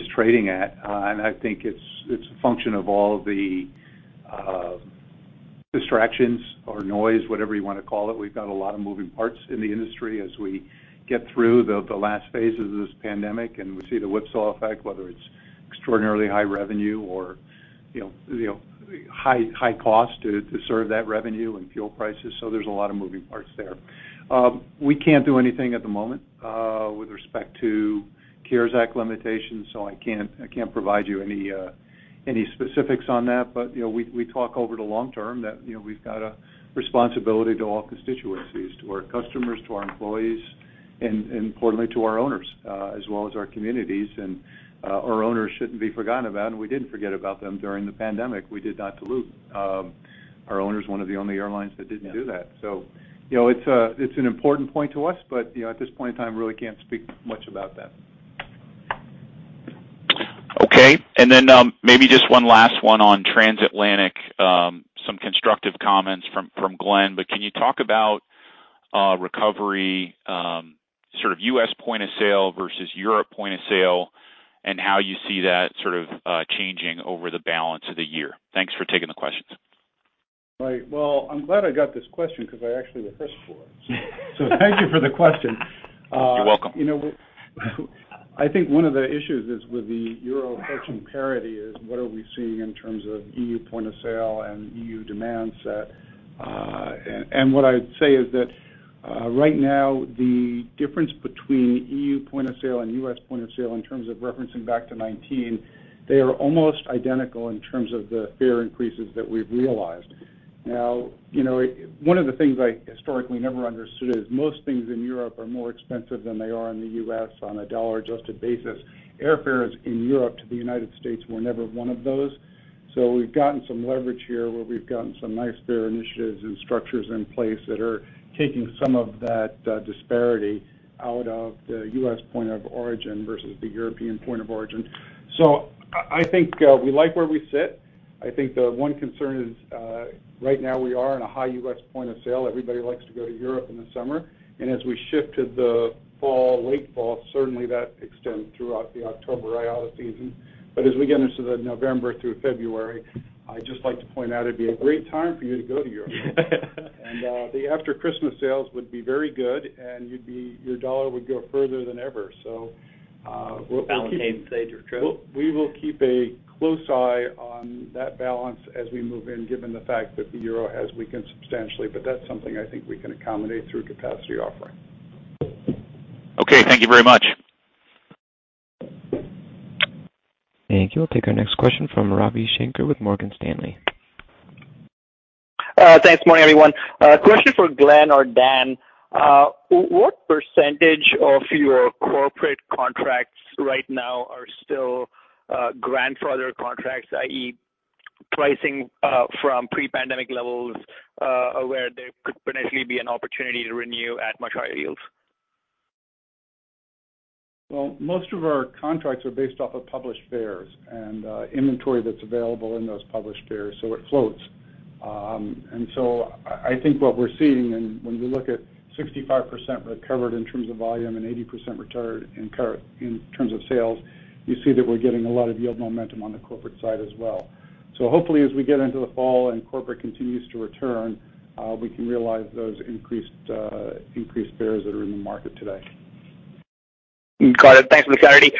is trading at. I think it's a function of all the distractions or noise, whatever you wanna call it. We've got a lot of moving parts in the industry as we get through the last phases of this pandemic, and we see the whipsaw effect, whether it's extraordinarily high revenue or, you know, high cost to serve that revenue and fuel prices. There's a lot of moving parts there. We can't do anything at the moment with respect to CARES Act limitations, so I can't provide you any specifics on that. You know, we talk over the long term that we've got a responsibility to all constituencies, to our customers, to our employees, and importantly to our owners, as well as our communities. Our owners shouldn't be forgotten about, and we didn't forget about them during the pandemic. We did not dilute our owners, one of the only airlines that didn't do that. You know, it's an important point to us, but you know, at this point in time, really can't speak much about that. Okay. Maybe just one last one on transatlantic. Some constructive comments from Glen. Can you talk about recovery, sort of U.S. point of sale versus Europe point of sale, and how you see that sort of changing over the balance of the year? Thanks for taking the questions. Right. Well, I'm glad I got this question 'cause I actually rehearsed for it. Thank you for the question. You're welcome. You know, I think one of the issues is with the euro exchange parity is what are we seeing in terms of E.U. point of sale and E.U. demand set. What I'd say is that, right now the difference between E.U. point of sale and U.S. point of sale in terms of referencing back to 2019, they are almost identical in terms of the fare increases that we've realized. Now, you know, one of the things I historically never understood is most things in Europe are more expensive than they are in the U.S. on a dollar-adjusted basis. Airfares in Europe to the United States were never one of those. We've gotten some leverage here where we've gotten some nice fare initiatives and structures in place that are taking some of that disparity out of the U.S. point of origin versus the European point of origin. I think we like where we sit. I think the one concern is right now we are in a high U.S. point of sale. Everybody likes to go to Europe in the summer. As we shift to the fall, late fall, certainly that extends throughout the October IATA season. As we get into the November through February, I'd just like to point out it'd be a great time for you to go to Europe. The after-Christmas sales would be very good, and your U.S. dollar would go further than ever. Balance sheet saved your trip. We will keep a close eye on that balance as we move in, given the fact that the euro has weakened substantially, but that's something I think we can accommodate through capacity offering. Okay. Thank you very much. Thank you. We'll take our next question from Ravi Shanker with Morgan Stanley. Thanks. Morning, everyone. A question for Glen or Dan. What percentage of your corporate contracts right now are still grandfathered contracts, i.e., pricing from pre-pandemic levels, where there could potentially be an opportunity to renew at much higher yields? Most of our contracts are based off of published fares and inventory that's available in those published fares, so it floats. I think what we're seeing, and when we look at 65% recovered in terms of volume and 80% recovered in terms of sales, you see that we're getting a lot of yield momentum on the corporate side as well. Hopefully, as we get into the fall and corporate continues to return, we can realize those increased fares that are in the market today. Got it. Thanks for the clarity.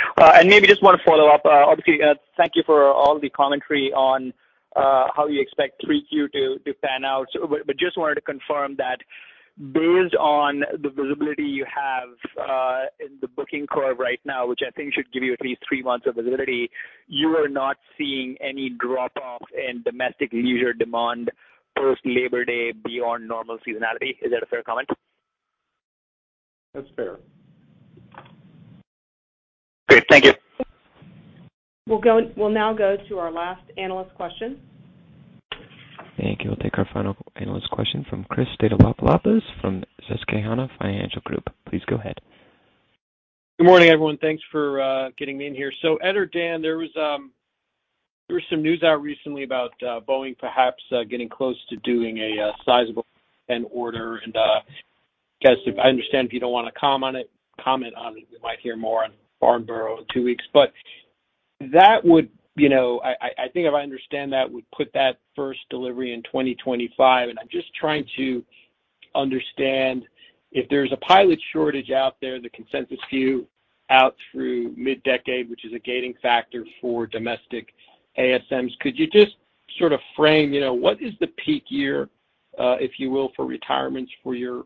Maybe just want to follow up. Obviously, thank you for all the commentary on how you expect 3Q to pan out. Just wanted to confirm that based on the visibility you have in the booking curve right now, which I think should give you at least three months of visibility, you are not seeing any drop-off in domestic leisure demand post Labor Day beyond normal seasonality. Is that a fair comment? That's fair. Thank you. We'll now go to our last analyst question. Thank you. We'll take our final analyst question from Christopher Stathoulopoulos from Susquehanna Financial Group. Please go ahead. Good morning, everyone. Thanks for getting me in here. Ed or Dan, there was some news out recently about Boeing perhaps getting close to doing a sizable order. I guess if I understand, if you don't wanna comment on it, we might hear more on Farnborough in two weeks. That would, you know, I think if I understand that, put that first delivery in 2025. I'm just trying to understand if there's a pilot shortage out there, the consensus view out through mid-decade, which is a gating factor for domestic ASMs. Could you just sort of frame, you know, what is the peak year, if you will, for retirements for your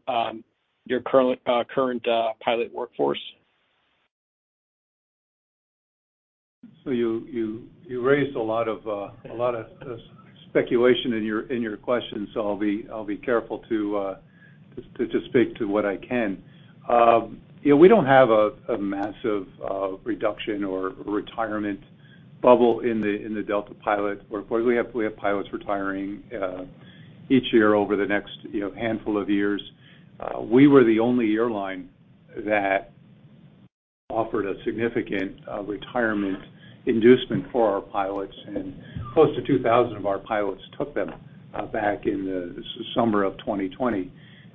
current pilot workforce? You raised a lot of speculation in your question, so I'll be careful to speak to what I can. You know, we don't have a massive reduction or retirement bubble in the Delta pilot workforce. We have pilots retiring each year over the next handful of years. You know, we were the only airline that offered a significant retirement inducement for our pilots, and close to 2,000 of our pilots took them back in the summer of 2020.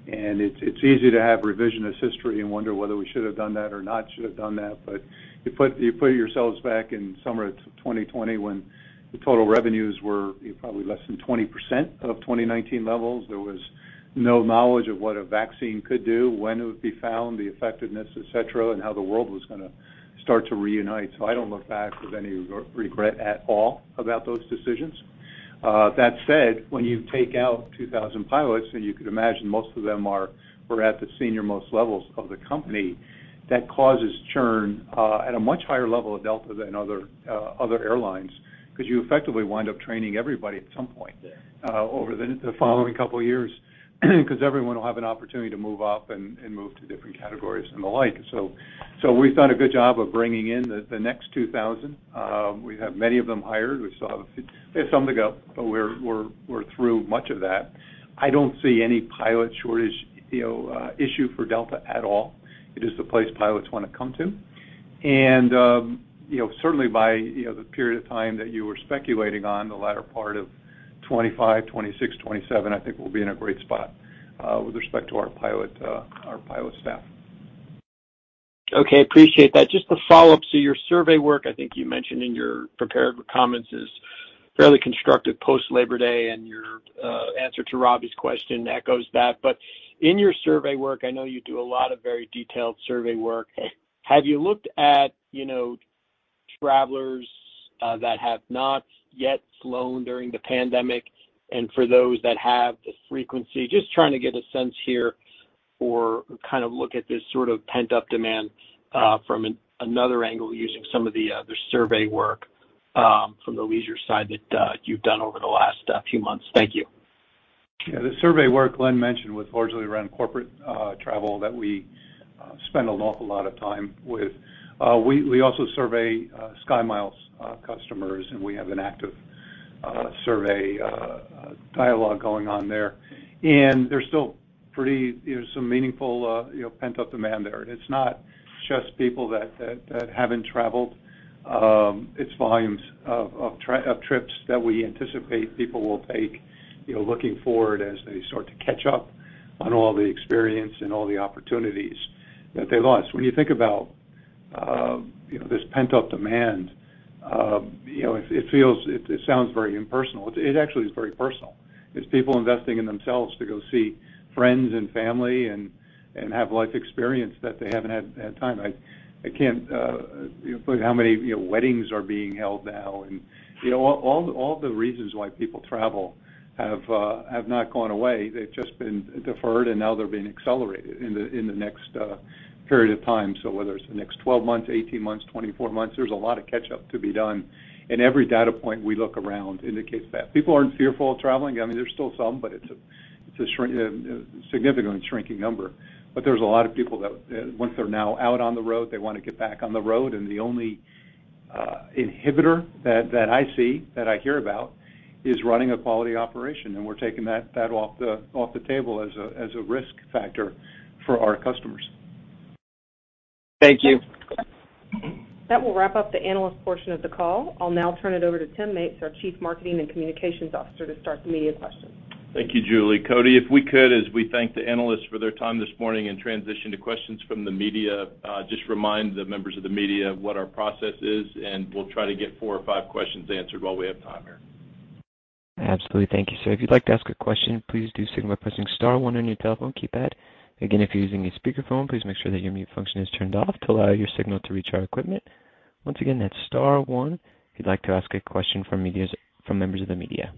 It's easy to have revisionist history and wonder whether we should have done that or not. You put yourselves back in summer of 2020 when the total revenues were probably less than 20% of 2019 levels. There was no knowledge of what a vaccine could do, when it would be found, the effectiveness, et cetera, and how the world was gonna start to reunite. I don't look back with any regret at all about those decisions. That said, when you take out 2,000 pilots, and you could imagine most of them were at the senior most levels of the company, that causes churn at a much higher level of Delta than other airlines, because you effectively wind up training everybody at some point over the following couple of years because everyone will have an opportunity to move up and move to different categories and the like. We've done a good job of bringing in the next 2,000. We have many of them hired. We still have a few. We have some to go, but we're through much of that. I don't see any pilot shortage issue for Delta at all. It is the place pilots wanna come to. Certainly by the period of time that you were speculating on the latter part of 2025, 2026, 2027, I think we'll be in a great spot with respect to our pilot staff. Okay. Appreciate that. Just to follow up, so your survey work, I think you mentioned in your prepared comments, is fairly constructive post-Labor Day, and your answer to Ravi's question echoes that. In your survey work, I know you do a lot of very detailed survey work. Have you looked at, you know, travelers that have not yet flown during the pandemic, and for those that have, the frequency. Just trying to get a sense here or kind of look at this sort of pent-up demand from another angle using some of the survey work from the leisure side that you've done over the last few months. Thank you. Yeah. The survey work Glen mentioned was largely around corporate travel that we spend an awful lot of time with. We also survey SkyMiles customers, and we have an active survey dialogue going on there. There's still pretty, you know, some meaningful, you know, pent-up demand there. It's not just people that haven't traveled. It's volumes of trips that we anticipate people will take, you know, looking forward as they start to catch up on all the experience and all the opportunities that they lost. When you think about, you know, this pent-up demand, you know, it sounds very impersonal. It actually is very personal. It's people investing in themselves to go see friends and family and have life experience that they haven't had time. I can't, you know, put how many, you know, weddings are being held now. You know, all the reasons why people travel have not gone away. They've just been deferred, and now they're being accelerated in the next period of time. Whether it's the next 12 months, 18 months, 24 months, there's a lot of catch up to be done. Every data point we look around indicates that. People aren't fearful of traveling. I mean, there's still some, but it's a significantly shrinking number. There's a lot of people that, once they're now out on the road, they wanna get back on the road. The only inhibitor that I see that I hear about is running a quality operation, and we're taking that off the table as a risk factor for our customers. Thank you. That will wrap up the analyst portion of the call. I'll now turn it over to Tim Mapes, our Chief Communications Officer, to start the media questions. Thank you, Julie. Cody, if we could, as we thank the analysts for their time this morning and transition to questions from the media, just remind the members of the media what our process is, and we'll try to get four or five questions answered while we have time here. Absolutely. Thank you. If you'd like to ask a question, please do so by pressing star one on your telephone keypad. Again, if you're using a speakerphone, please make sure that your mute function is turned off to allow your signal to reach our equipment. Once again, that's star one if you'd like to ask a question from members of the media.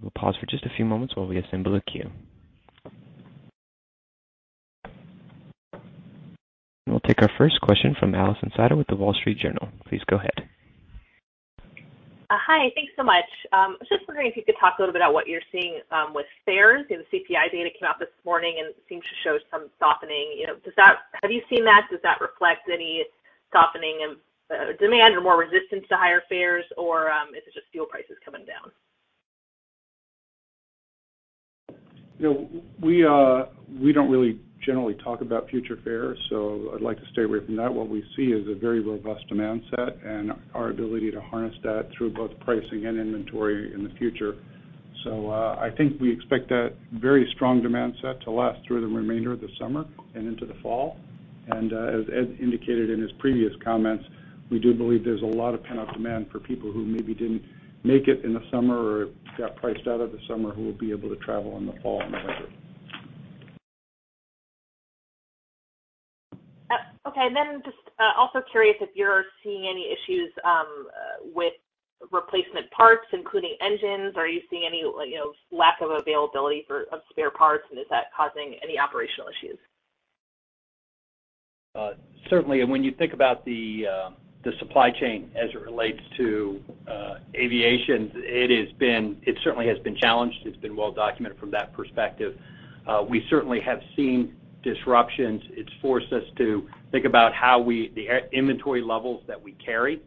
We'll pause for just a few moments while we assemble a queue. We'll take our first question from Alison Sider with The Wall Street Journal. Please go ahead. Hi. Thanks so much. Just wondering if you could talk a little bit about what you're seeing with fares. You know, the CPI data came out this morning and seemed to show some softening, you know, have you seen that? Does that reflect any softening in demand or more resistance to higher fares, or is it just fuel prices coming down? You know, we don't really generally talk about future fares, so I'd like to stay away from that. What we see is a very robust demand set and our ability to harness that through both pricing and inventory in the future. I think we expect that very strong demand set to last through the remainder of the summer and into the fall. As Ed indicated in his previous comments, we do believe there's a lot of pent-up demand for people who maybe didn't make it in the summer or got priced out of the summer who will be able to travel in the fall and the winter. Curious if you're seeing any issues with replacement parts, including engines. Are you seeing any lack of availability of spare parts, and is that causing any operational issues? Certainly. When you think about the supply chain as it relates to aviation, it certainly has been challenged. It's been well documented from that perspective. We certainly have seen disruptions. It's forced us to think about the inventory levels that we carry.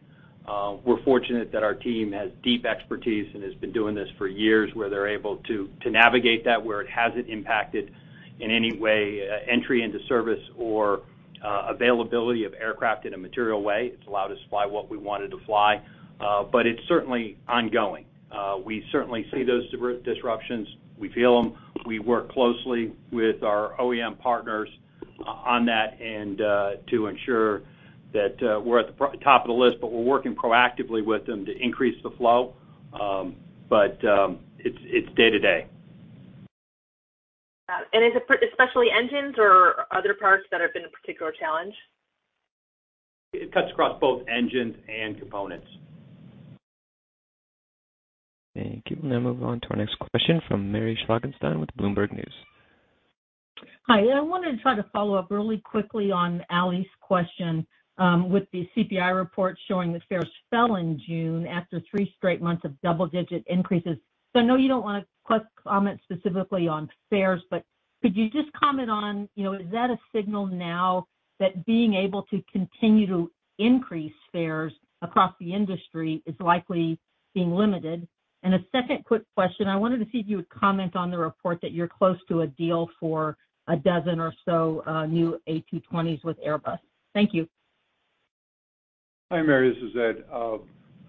We're fortunate that our team has deep expertise and has been doing this for years, where they're able to navigate that where it hasn't impacted in any way entry into service or availability of aircraft in a material way. It's allowed us to fly what we wanted to fly. But it's certainly ongoing. We certainly see those disruptions. We feel them. We work closely with our OEM partners on that and to ensure that we're at the top of the list, but we're working proactively with them to increase the flow. It's day-to-day. Got it. Is it especially engines or other parts that have been a particular challenge? It cuts across both engines and components. Thank you. We'll now move on to our next question from Mary Schlangenstein with Bloomberg News. Hi. I wanted to try to follow up really quickly on Ally's question. With the CPI report showing that fares fell in June after three straight months of double-digit increases. I know you don't wanna comment specifically on fares, but could you just comment on, you know, is that a signal now that being able to continue to increase fares across the industry is likely being limited? A second quick question. I wanted to see if you would comment on the report that you're close to a deal for a dozen or so new A220s with Airbus. Thank you. Hi, Mary, this is Ed.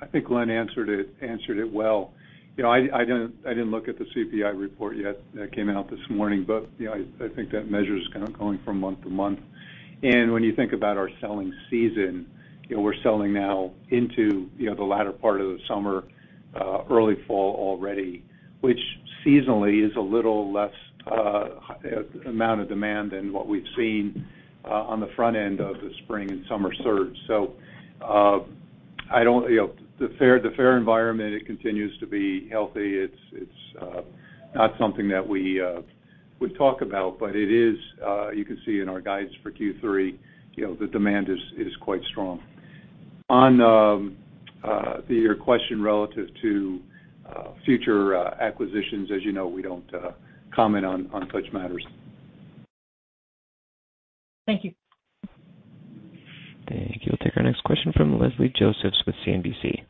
I think Glen answered it well. You know, I didn't look at the CPI report yet that came out this morning, but you know, I think that measure's kind of going from month to month. When you think about our selling season, you know, we're selling now into the latter part of the summer, early fall already, which seasonally is a little less amount of demand than what we've seen on the front end of the spring and summer surge. You know, the fare environment, it continues to be healthy. It's not something that we would talk about, but it is, you can see in our guidance for Q3, you know, the demand is quite strong. Your question relative to future acquisitions, as you know, we don't comment on such matters. Thank you. Thank you. We'll take our next question from Leslie Josephs with CNBC.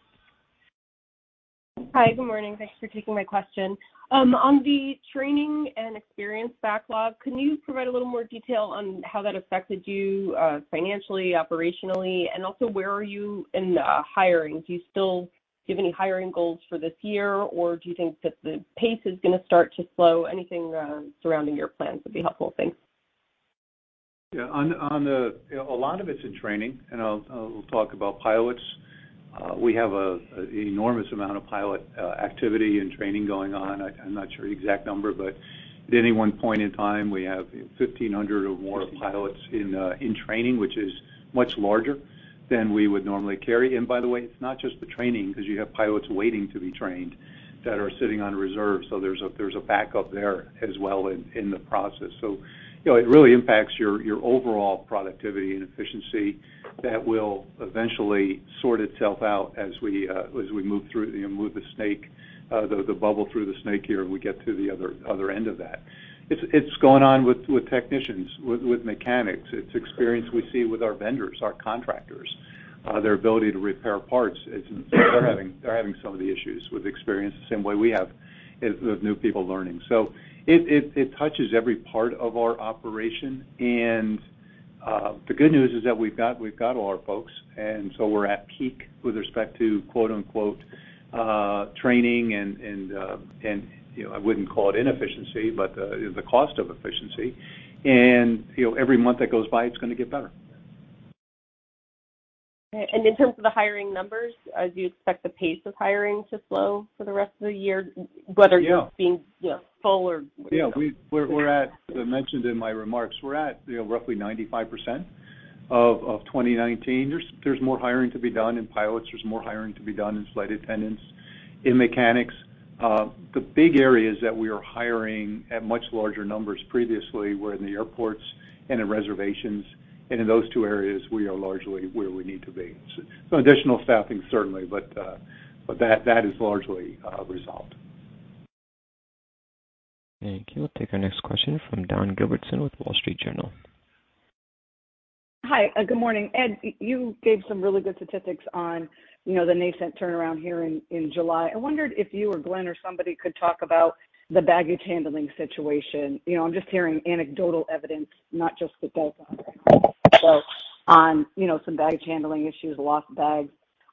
Hi, good morning. Thanks for taking my question. On the training and experience backlog, can you provide a little more detail on how that affected you, financially, operationally, and also where are you in the hiring? Do you have any hiring goals for this year, or do you think that the pace is gonna start to slow? Anything surrounding your plans would be helpful. Thanks. Yeah. On the, you know, a lot of it's in training, and I'll talk about pilots. We have an enormous amount of pilot activity and training going on. I'm not sure the exact number, but at any one point in time, we have 1,500 or more pilots in training, which is much larger than we would normally carry. By the way, it's not just the training, because you have pilots waiting to be trained that are sitting on reserve. There's a backup there as well in the process. You know, it really impacts your overall productivity and efficiency that will eventually sort itself out as we move through, you know, move the snake, the bubble through the snake here and we get to the other end of that. It's gone on with technicians, with mechanics. It's experience we see with our vendors, our contractors, their ability to repair parts. They're having some of the issues with experience the same way we have as new people learning. It touches every part of our operation. The good news is that we've got all our folks, and so we're at peak with respect to quote-unquote training and, you know, I wouldn't call it inefficiency, but the cost of efficiency. You know, every month that goes by, it's gonna get better. In terms of the hiring numbers, do you expect the pace of hiring to slow for the rest of the year? Yeah. You know, being you know full or Yeah. As I mentioned in my remarks, you know, we're at roughly 95% of 2019. There's more hiring to be done in pilots. There's more hiring to be done in flight attendants, in mechanics. The big areas that we are hiring at much larger numbers previously were in the airports and in reservations. In those two areas, we are largely where we need to be. Some additional staffing certainly, but that is largely resolved. Thank you. We'll take our next question from Dawn Gilbertson with Wall Street Journal. Hi, good morning. Ed, you gave some really good statistics on, you know, the nascent turnaround here in July. I wondered if you or Glen or somebody could talk about the baggage handling situation. You know, I'm just hearing anecdotal evidence, not just with Delta so on, you know, some baggage handling issues, lost bags.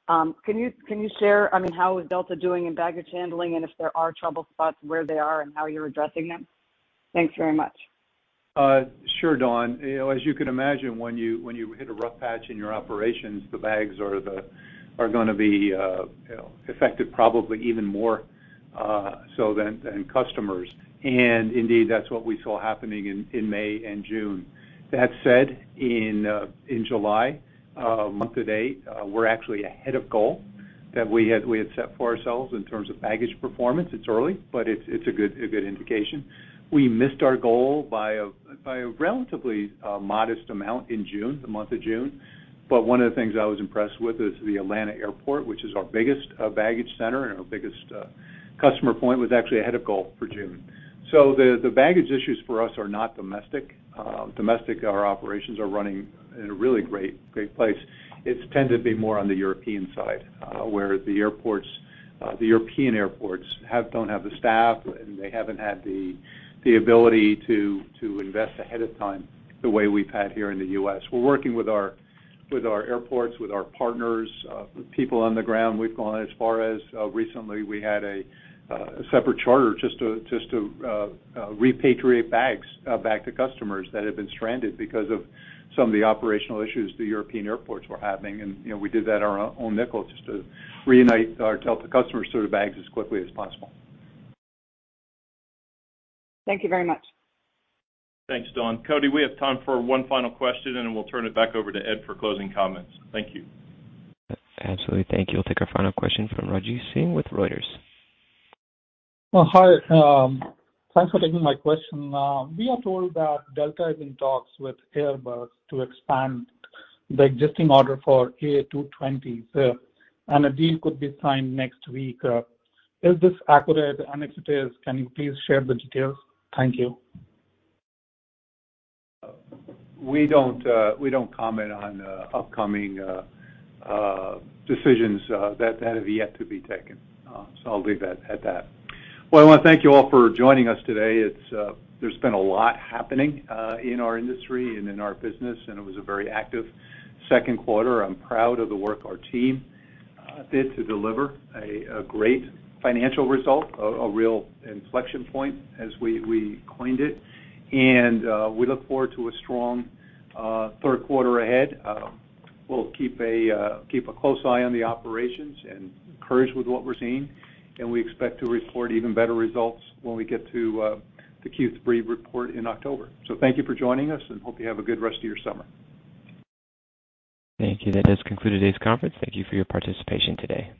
Can you share, I mean, how is Delta doing in baggage handling, and if there are trouble spots, where they are and how you're addressing them? Thanks very much. Sure, Dawn. You know, as you can imagine, when you hit a rough patch in your operations, the bags are gonna be, you know, affected probably even more, so than customers. Indeed, that's what we saw happening in May and June. That said, in July, month to date, we're actually ahead of goal that we had set for ourselves in terms of baggage performance. It's early, but it's a good indication. We missed our goal by a relatively modest amount in June, the month of June. One of the things I was impressed with is the Atlanta Airport, which is our biggest baggage center and our biggest customer point, was actually ahead of goal for June. The baggage issues for us are not domestic. Domestic, our operations are running in a really great place. It's tended to be more on the European side, where the European airports have—don't have the staff, and they haven't had the ability to invest ahead of time the way we've had here in the U.S. We're working with our airports, with our partners, with people on the ground. We've gone as far as recently, we had a separate charter just to repatriate bags back to customers that have been stranded because of some of the operational issues the European airports were having. You know, we did that on our own nickel just to reunite our Delta customers to their bags as quickly as possible. Thank you very much. Thanks, Dawn. Cody, we have time for one final question, and then we'll turn it back over to Ed for closing comments. Thank you. Absolutely. Thank you. We'll take our final question from Rajesh Singh with Reuters. Well, hi. Thanks for taking my question. We are told that Delta is in talks with Airbus to expand the existing order for A220s, and a deal could be signed next week. Is this accurate? If it is, can you please share the details? Thank you. We don't comment on upcoming decisions that have yet to be taken. I'll leave that at that. Well, I wanna thank you all for joining us today. There's been a lot happening in our industry and in our business, and it was a very active second quarter. I'm proud of the work our team did to deliver a great financial result, a real inflection point as we coined it. We look forward to a strong third quarter ahead. We'll keep a close eye on the operations and encouraged with what we're seeing. We expect to report even better results when we get to the Q3 report in October. Thank you for joining us, and hope you have a good rest of your summer. Thank you. That does conclude today's conference. Thank you for your participation today.